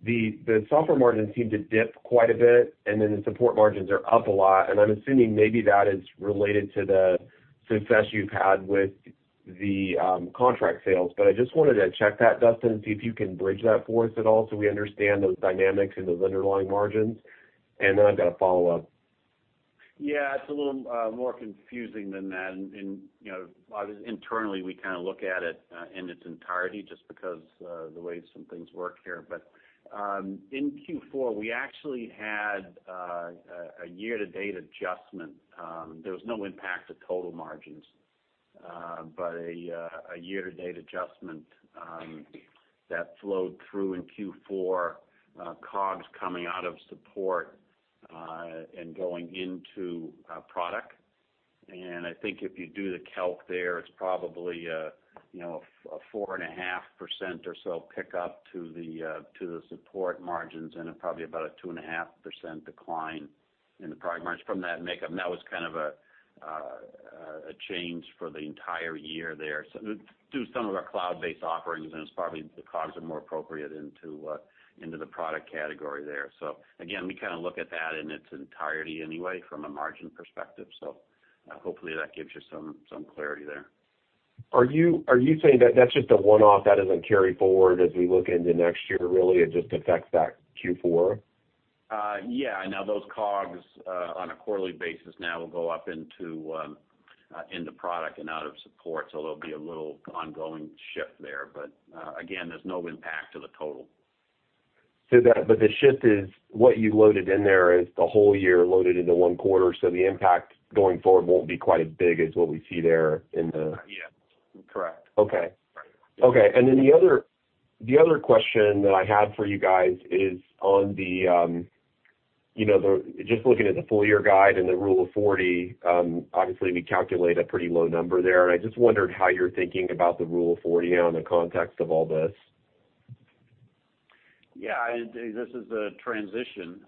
the software margins seem to dip quite a bit, then the support margins are up a lot. I'm assuming maybe that is related to the success you've had with the contract sales. I just wanted to check that, Duston, and see if you can bridge that for us at all so we understand those dynamics and those underlying margins. I've got a follow-up. It's a little more confusing than that. Internally, we look at it in its entirety just because of the way some things work here. In Q4, we actually had a year-to-date adjustment. There was no impact to total margins, but a year-to-date adjustment that flowed through in Q4, COGS coming out of support, and going into product. I think if you do the calc there, it's probably a 4.5% or so pickup to the support margins and probably about a 2.5% decline in the product margins from that makeup. That was kind of a change for the entire year there. Do some of our cloud-based offerings, and it's probably the COGS are more appropriate into the product category there. Again, we kind of look at that in its entirety anyway from a margin perspective. Hopefully, that gives you some clarity there. Are you saying that that's just a one-off that doesn't carry forward as we look into next year, really? It just affects that Q4? Yeah. Those COGS, on a quarterly basis now, will go up into product and out of support. There'll be a little ongoing shift there. Again, there's no impact to the total. The shift is what you loaded in there is the whole year loaded into one quarter, so the impact going forward won't be quite as big as what we see there in the. Yeah. Correct. Okay. The other question that I had for you guys is on the just looking at the full-year guide and the rule of 40, obviously we calculate a pretty low number there. I just wondered how you're thinking about the rule of 40 now in the context of all this. Yeah. This is a transition.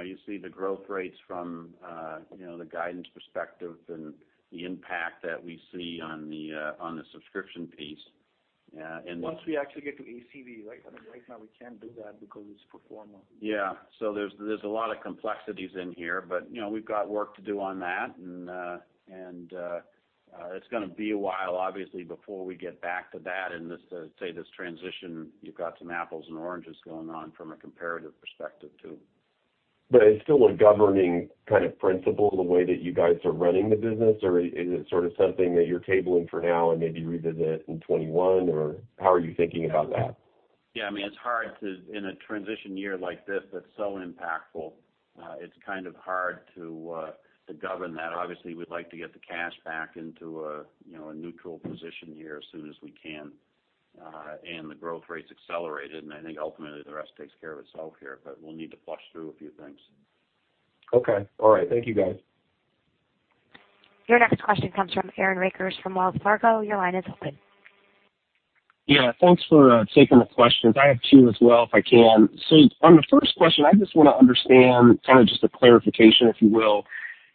You see the growth rates from the guidance perspective and the impact that we see on the subscription piece. Once we actually get to ACV, right? I mean, right now we can't do that because it's pro forma. Yeah. There's a lot of complexities in here. We've got work to do on that, and it's going to be a while, obviously, before we get back to that. Say this transition, you've got some apples and oranges going on from a comparative perspective, too. It's still a governing kind of principle the way that you guys are running the business, or is it sort of something that you're tabling for now and maybe revisit in 2021, or how are you thinking about that? Yeah. I mean, it's hard to, in a transition year like this that's so impactful, it's kind of hard to govern that. Obviously, we'd like to get the cash back into a neutral position here as soon as we can, and the growth rates accelerated, and I think ultimately the rest takes care of itself here, but we'll need to flush through a few things. Okay. All right. Thank you guys. Your next question comes from Aaron Rakers from Wells Fargo. Your line is open. Thanks for taking the questions. I have two as well if I can. On the first question, I just want to understand, kind of just a clarification, if you will.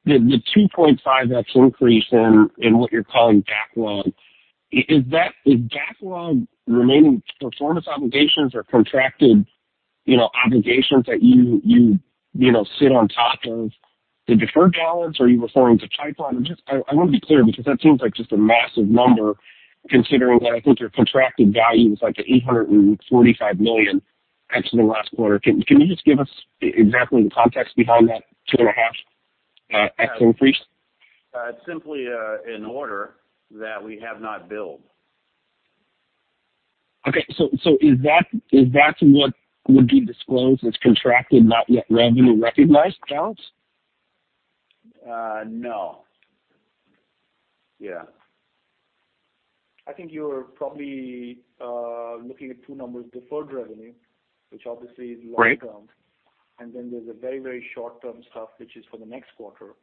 The 2.5x increase in what you're calling backlog, is backlog Remaining Performance Obligations or contracted obligations that you sit on top of the deferred balance, or are you referring to pipeline? I want to be clear because that seems like just a massive number considering that I think your contracted value was like $845 million actually last quarter. Can you just give us exactly the context behind that 2.5x increase? It's simply an order that we have not billed. Okay. Is that what would be disclosed as contracted, not yet revenue-recognized balance? No. Yeah. I think you're probably looking at two numbers, deferred revenue, which obviously is long-term. Right. Then there's a very short-term stuff, which is for the next quarter.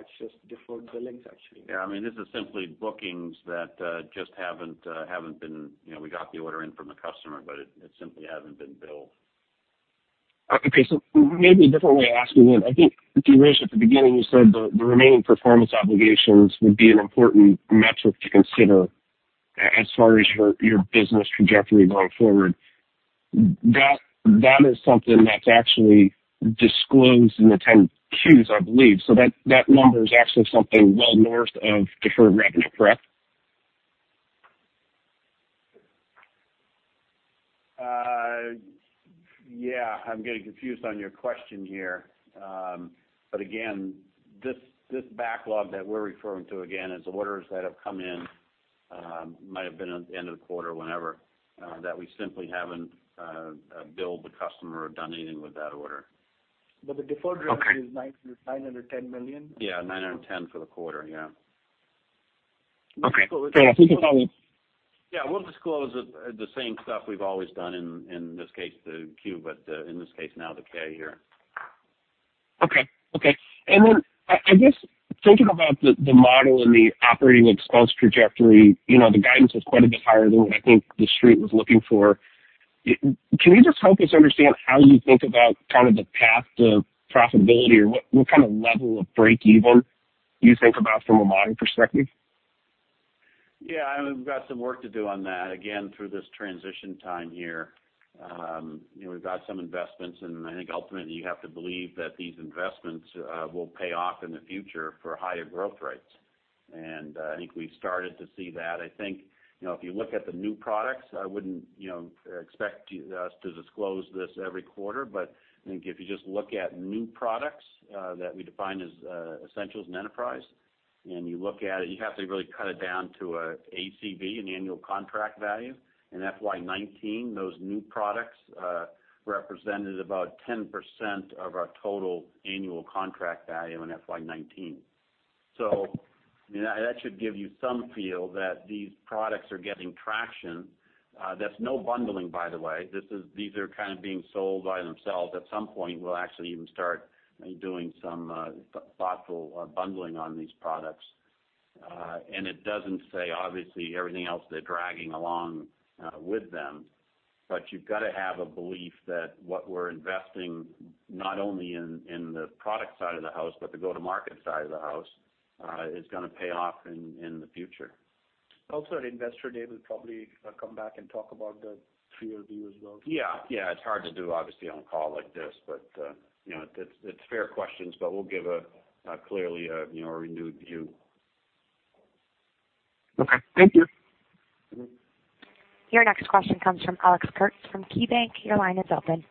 It's just deferred billings, actually. Yeah. I mean, we got the order in from the customer, but it simply hasn't been billed. Okay. Maybe a different way of asking then. I think, Dheeraj, at the beginning, you said the remaining performance obligations would be an important metric to consider as far as your business trajectory going forward. That is something that's actually disclosed in the 10-Qs, I believe. That number is actually something well north of deferred revenue, correct? Yeah. I'm getting confused on your question here. Again, this backlog that we're referring to, again, is orders that have come in, might have been at the end of the quarter, whenever, that we simply haven't billed the customer or done anything with that order. The deferred revenue. Okay is $910 million. Yeah, $910 for the quarter, yeah. Okay. Fair enough. Thank you. Yeah, we'll disclose it the same stuff we've always done, in this case, the Q, but in this case now, the K here. Okay. I guess, thinking about the model and the operating expense trajectory, the guidance was quite a bit higher than what I think the Street was looking for. Can you just help us understand how you think about kind of the path to profitability, or what kind of level of break-even you think about from a modeling perspective? Yeah, we've got some work to do on that, again, through this transition time here. We've got some investments. I think ultimately you have to believe that these investments will pay off in the future for higher growth rates. I think we've started to see that. I think, if you look at the new products, I wouldn't expect us to disclose this every quarter, but I think if you just look at new products that we define as Essentials and Enterprise, and you look at it, you have to really cut it down to ACV, an annual contract value. In FY 2019, those new products represented about 10% of our total annual contract value in FY 2019. That should give you some feel that these products are getting traction. There's no bundling, by the way. These are kind of being sold by themselves. At some point, we'll actually even start doing some thoughtful bundling on these products. It doesn't say, obviously, everything else they're dragging along with them. You've got to have a belief that what we're investing not only in the product side of the house, but the go-to-market side of the house, is going to pay off in the future. Also, at Investor Day, we'll probably come back and talk about the three-year view as well. Yeah. It's hard to do, obviously, on a call like this, but it's fair questions, but we'll give a clearly renewed view. Okay. Thank you. Your next question comes from Alex Kurtz from KeyBanc. Your line is open.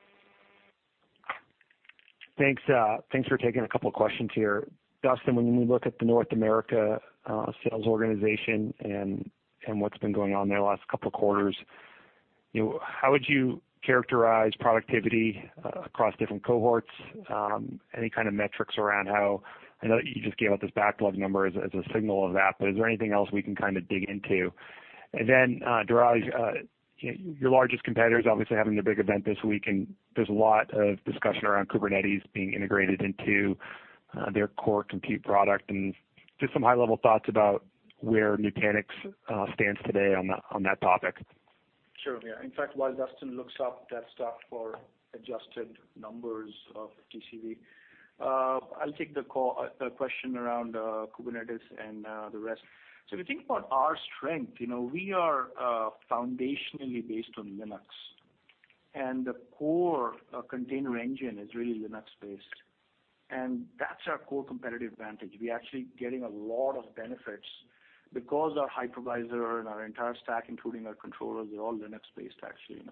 Thanks for taking a couple of questions here. Duston, when we look at the North America sales organization and what's been going on there the last couple of quarters, how would you characterize productivity across different cohorts? Any kind of metrics around how I know that you just gave out this backlog number as a signal of that, but is there anything else we can kind of dig into? Dheeraj, your largest competitor is obviously having a big event this week, and there's a lot of discussion around Kubernetes being integrated into their core compute product, and just some high-level thoughts about where Nutanix stands today on that topic. Sure. Yeah. In fact, while Duston looks up that stuff for adjusted numbers of TCV, I'll take the question around Kubernetes and the rest. If you think about our strength, we are foundationally based on Linux, and the core container engine is really Linux-based, and that's our core competitive advantage. We are actually getting a lot of benefits because our hypervisor and our entire stack, including our controllers, are all Linux-based, actually.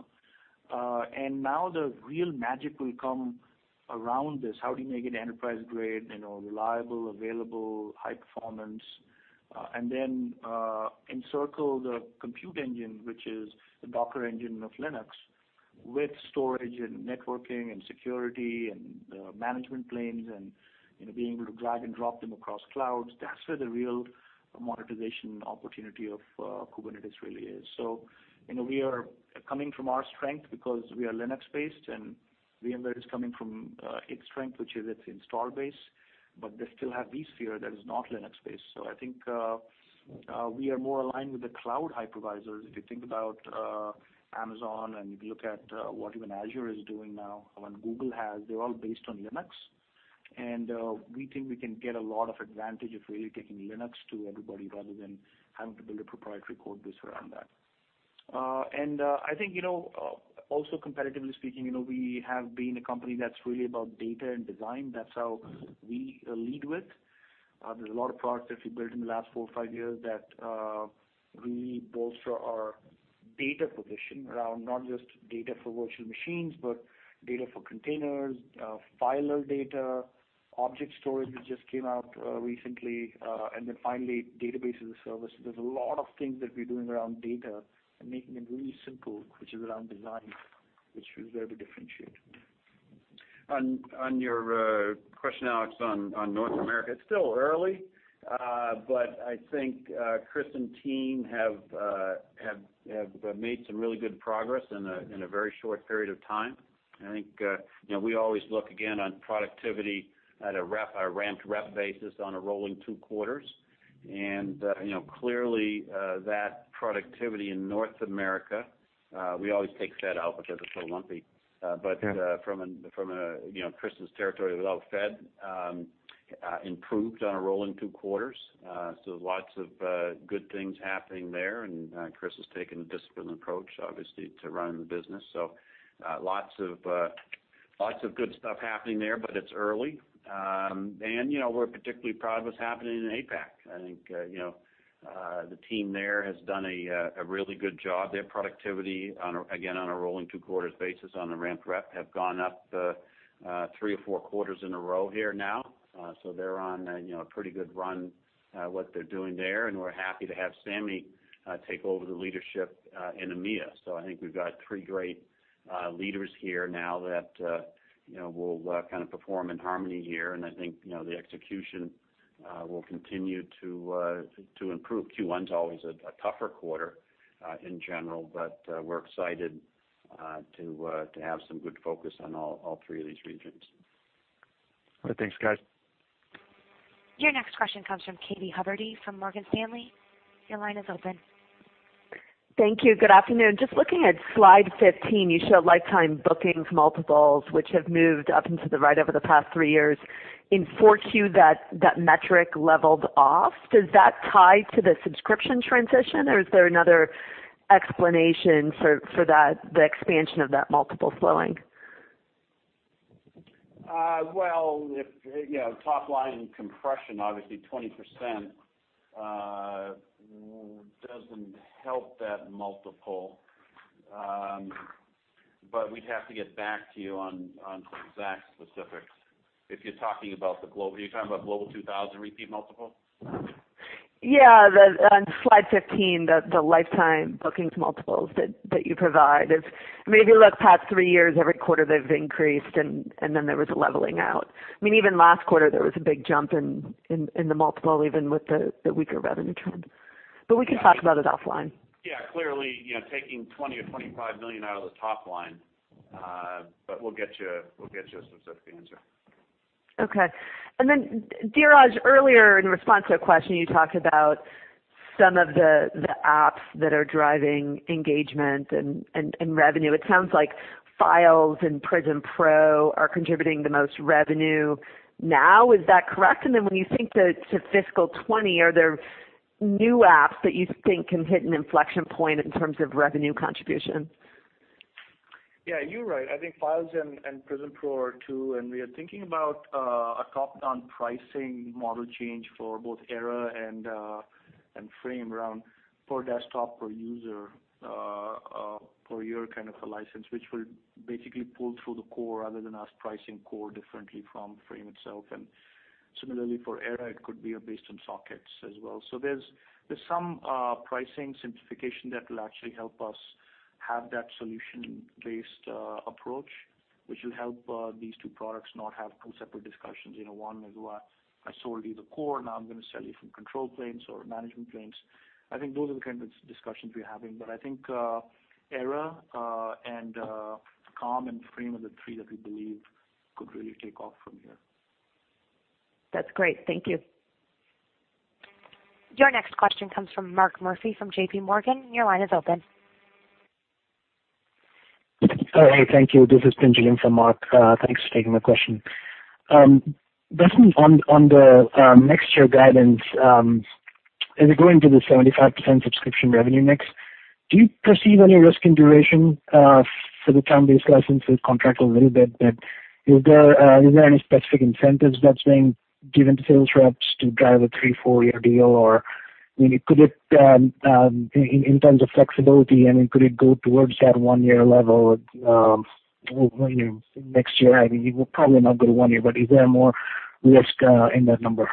Now the real magic will come around this, how do you make it enterprise-grade, reliable, available, high-performance, and then encircle the compute engine, which is the Docker engine of Linux, with storage and networking and security and management planes and being able to drag and drop them across clouds. That's where the real monetization opportunity of Kubernetes really is. We are coming from our strength because we are Linux-based, and VMware is coming from its strength, which is its install base, but they still have vSphere that is not Linux-based. I think we are more aligned with the cloud hypervisors. If you think about Amazon and if you look at what even Azure is doing now and what Google has, they're all based on Linux. We think we can get a lot of advantage of really taking Linux to everybody rather than having to build a proprietary code base around that. I think also competitively speaking, we have been a company that's really about data and design. That's how we lead with. There's a lot of products that we built in the last four or five years that really bolster our data position around not just data for virtual machines, but data for containers, filer data, object storage that just came out recently, finally, database as a service. There's a lot of things that we're doing around data and making it really simple, which is around design, which is where we differentiate. On your question, Alex, on North America, it's still early. I think Chris and team have made some really good progress in a very short period of time. I think we always look, again, on productivity at a ramped rep basis on a rolling 2 quarters. Clearly, that productivity in North America, we always take Fed out because it's so lumpy. Yeah. From Chris's territory without Fed, improved on a rolling two quarters. Lots of good things happening there, and Chris has taken a disciplined approach, obviously, to running the business. Lots of good stuff happening there, but it's early. We're particularly proud of what's happening in APAC. I think the team there has done a really good job. Their productivity, again, on a rolling two-quarters basis on the ramped rep, have gone up three or four quarters in a row here now. They're on a pretty good run, what they're doing there, and we're happy to have Sammy take over the leadership in EMEA. I think we've got three great leaders here now that will perform in harmony here. I think the execution will continue to improve. Q1's always a tougher quarter in general, but we're excited to have some good focus on all three of these regions. All right. Thanks, guys. Your next question comes from Katy Huberty from Morgan Stanley. Your line is open. Thank you. Good afternoon. Just looking at slide 15, you show lifetime bookings multiples, which have moved up and to the right over the past three years. In 4Q, that metric leveled off. Does that tie to the subscription transition, or is there another explanation for the expansion of that multiple slowing? Well, top-line compression, obviously 20% doesn't help that multiple. We'd have to get back to you on the exact specifics. Are you talking about Global 2000 repeat multiple? Yeah. On slide 15, the lifetime bookings multiples that you provide. I mean, if you look the past three years, every quarter they've increased. There was a leveling out. I mean, even last quarter, there was a big jump in the multiple, even with the weaker revenue trend. We can talk about it offline. Yeah. Clearly, taking $20 or $25 million out of the top line. We'll get you a specific answer. Okay. Dheeraj, earlier in response to a question, you talked about some of the apps that are driving engagement and revenue. It sounds like Files and Nutanix Prism Pro are contributing the most revenue now. Is that correct? When you think to fiscal 2020, are there new apps that you think can hit an inflection point in terms of revenue contribution? Yeah, you're right. I think Files and Prism Pro are two. We are thinking about a top-down pricing model change for both Era and Frame around per desktop, per user, per year kind of a license, which will basically pull through the core rather than us pricing core differently from Frame itself. Similarly for Era, it could be based on sockets as well. There's some pricing simplification that will actually help us have that solution-based approach, which will help these two products not have two separate discussions. One is, "Well, I sold you the core, now I'm going to sell you from control planes or management planes." I think those are the kinds of discussions we're having. I think Era and Calm and Frame are the three that we believe could really take off from here. That's great. Thank you. Your next question comes from Mark Murphy from JP Morgan. Your line is open. Hey, thank you. This is Pinakin for Mark. Thanks for taking my question. Duston, on the next year guidance, as we go into the 75% subscription revenue mix, do you perceive any risk in duration for the term-based licenses contract a little bit, but is there any specific incentives that's being given to sales reps to drive a three, four-year deal? Or in terms of flexibility, I mean, could it go towards that one-year level next year? I mean, you will probably not go to one year, but is there more risk in that number?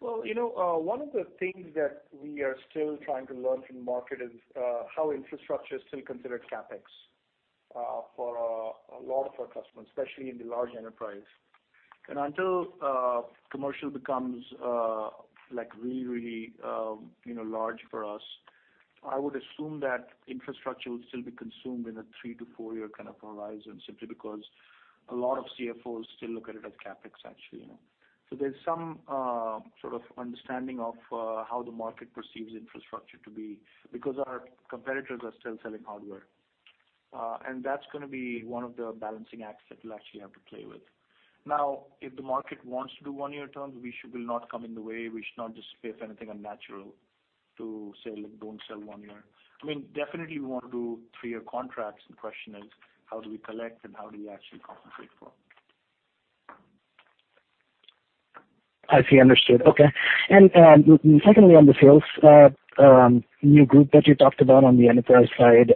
Well, one of the things that we are still trying to learn from market is how infrastructure is still considered CapEx for a lot of our customers, especially in the large enterprise. Until commercial becomes really large for us, I would assume that infrastructure will still be consumed in a three- to four-year kind of horizon, simply because a lot of CFOs still look at it as CapEx, actually. There's some sort of understanding of how the market perceives infrastructure to be, because our competitors are still selling hardware. That's going to be one of the balancing acts that we'll actually have to play with. Now, if the market wants to do one-year terms, we will not come in the way. We should not display anything unnatural to say, like, "Don't sell one year." I mean, definitely we want to do three-year contracts. The question is how do we collect and how do we actually compensate for it? I see. Understood. Okay. Secondly, on the sales new group that you talked about on the Enterprise side,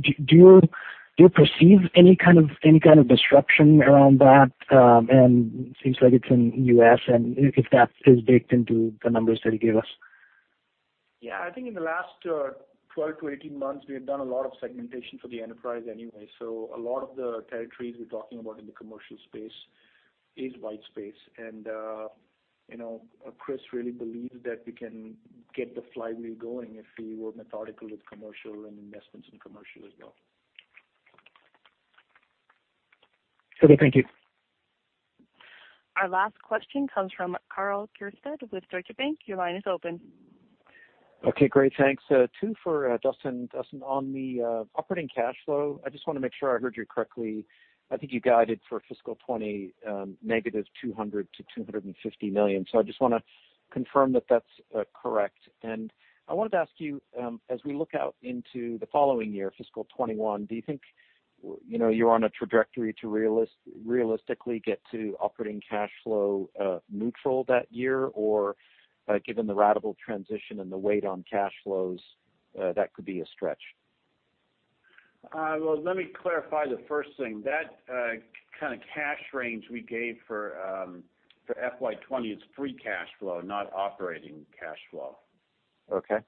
do you perceive any kind of disruption around that? Seems like it's in U.S., and if that is baked into the numbers that you gave us? Yeah. I think in the last 12-18 months, we have done a lot of segmentation for the Enterprise anyway. A lot of the territories we're talking about in the commercial space is white space. Chris really believes that we can get the flywheel going if we were methodical with commercial and investments in commercial as well. Okay, thank you. Our last question comes from Karl Keirstead with Deutsche Bank. Your line is open. Okay, great. Thanks. Two for Duston. Duston, on the operating cash flow, I just want to make sure I heard you correctly. I think you guided for fiscal 2020, -$200 million to -$250 million. I just want to confirm that that's correct. I wanted to ask you, as we look out into the following year, fiscal 2021, do you think you're on a trajectory to realistically get to operating cash flow neutral that year, or given the ratable transition and the weight on cash flows, that could be a stretch? Well, let me clarify the first thing. That kind of cash range we gave for FY 2020 is free cash flow, not operating cash flow. Okay.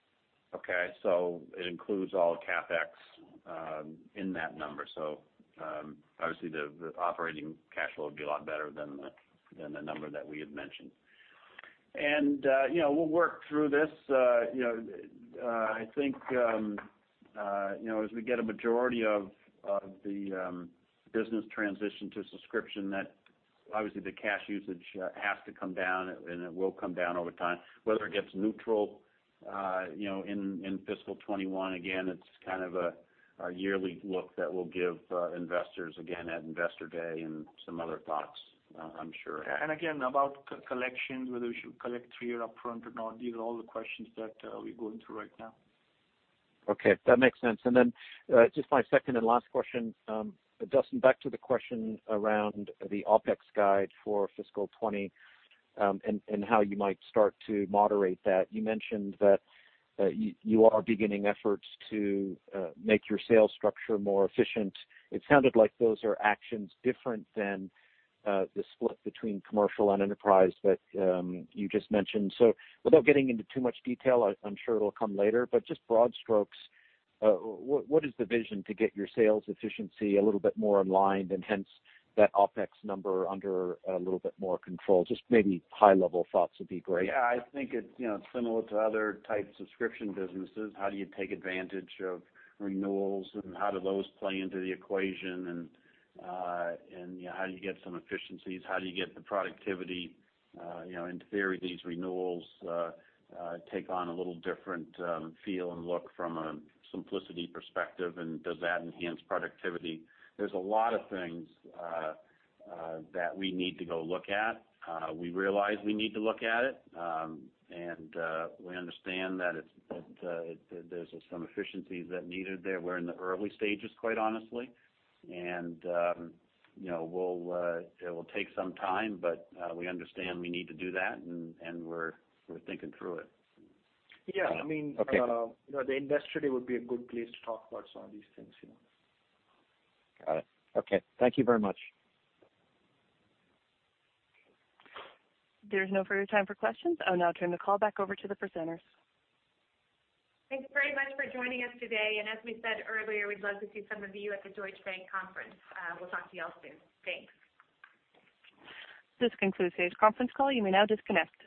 Okay. It includes all CapEx in that number. Obviously, the operating cash flow would be a lot better than the number that we had mentioned. We'll work through this. I think, as we get a majority of the business transition to subscription, obviously the cash usage has to come down, and it will come down over time. Whether it gets neutral in fiscal 2021, again, it's kind of a yearly look that we'll give investors again at Investor Day and some other thoughts, I'm sure. Again, about collections, whether we should collect 3-year upfront or not, these are all the questions that we're going through right now. Okay, that makes sense. Then just my second and last question, Dustin, back to the question around the OpEx guide for fiscal 2020, and how you might start to moderate that. You mentioned that you are beginning efforts to make your sales structure more efficient. It sounded like those are actions different than the split between commercial and Enterprise that you just mentioned. Without getting into too much detail, I'm sure it'll come later, but just broad strokes, what is the vision to get your sales efficiency a little bit more aligned, and hence that OpEx number under a little bit more control? Just maybe high-level thoughts would be great. Yeah, I think it's similar to other type subscription businesses. How do you take advantage of renewals, and how do those play into the equation? How do you get some efficiencies? How do you get the productivity? In theory, these renewals take on a little different feel and look from a simplicity perspective, and does that enhance productivity? There's a lot of things that we need to go look at. We realize we need to look at it. We understand that there's some efficiencies that are needed there. We're in the early stages, quite honestly. It will take some time, but we understand we need to do that, and we're thinking through it. Yeah. Okay. The Investor Day would be a good place to talk about some of these things. Got it. Okay. Thank you very much. There's no further time for questions. I'll now turn the call back over to the presenters. Thank you very much for joining us today. As we said earlier, we'd love to see some of you at the Deutsche Bank conference. We'll talk to you all soon. Thanks. This concludes today's conference call. You may now disconnect.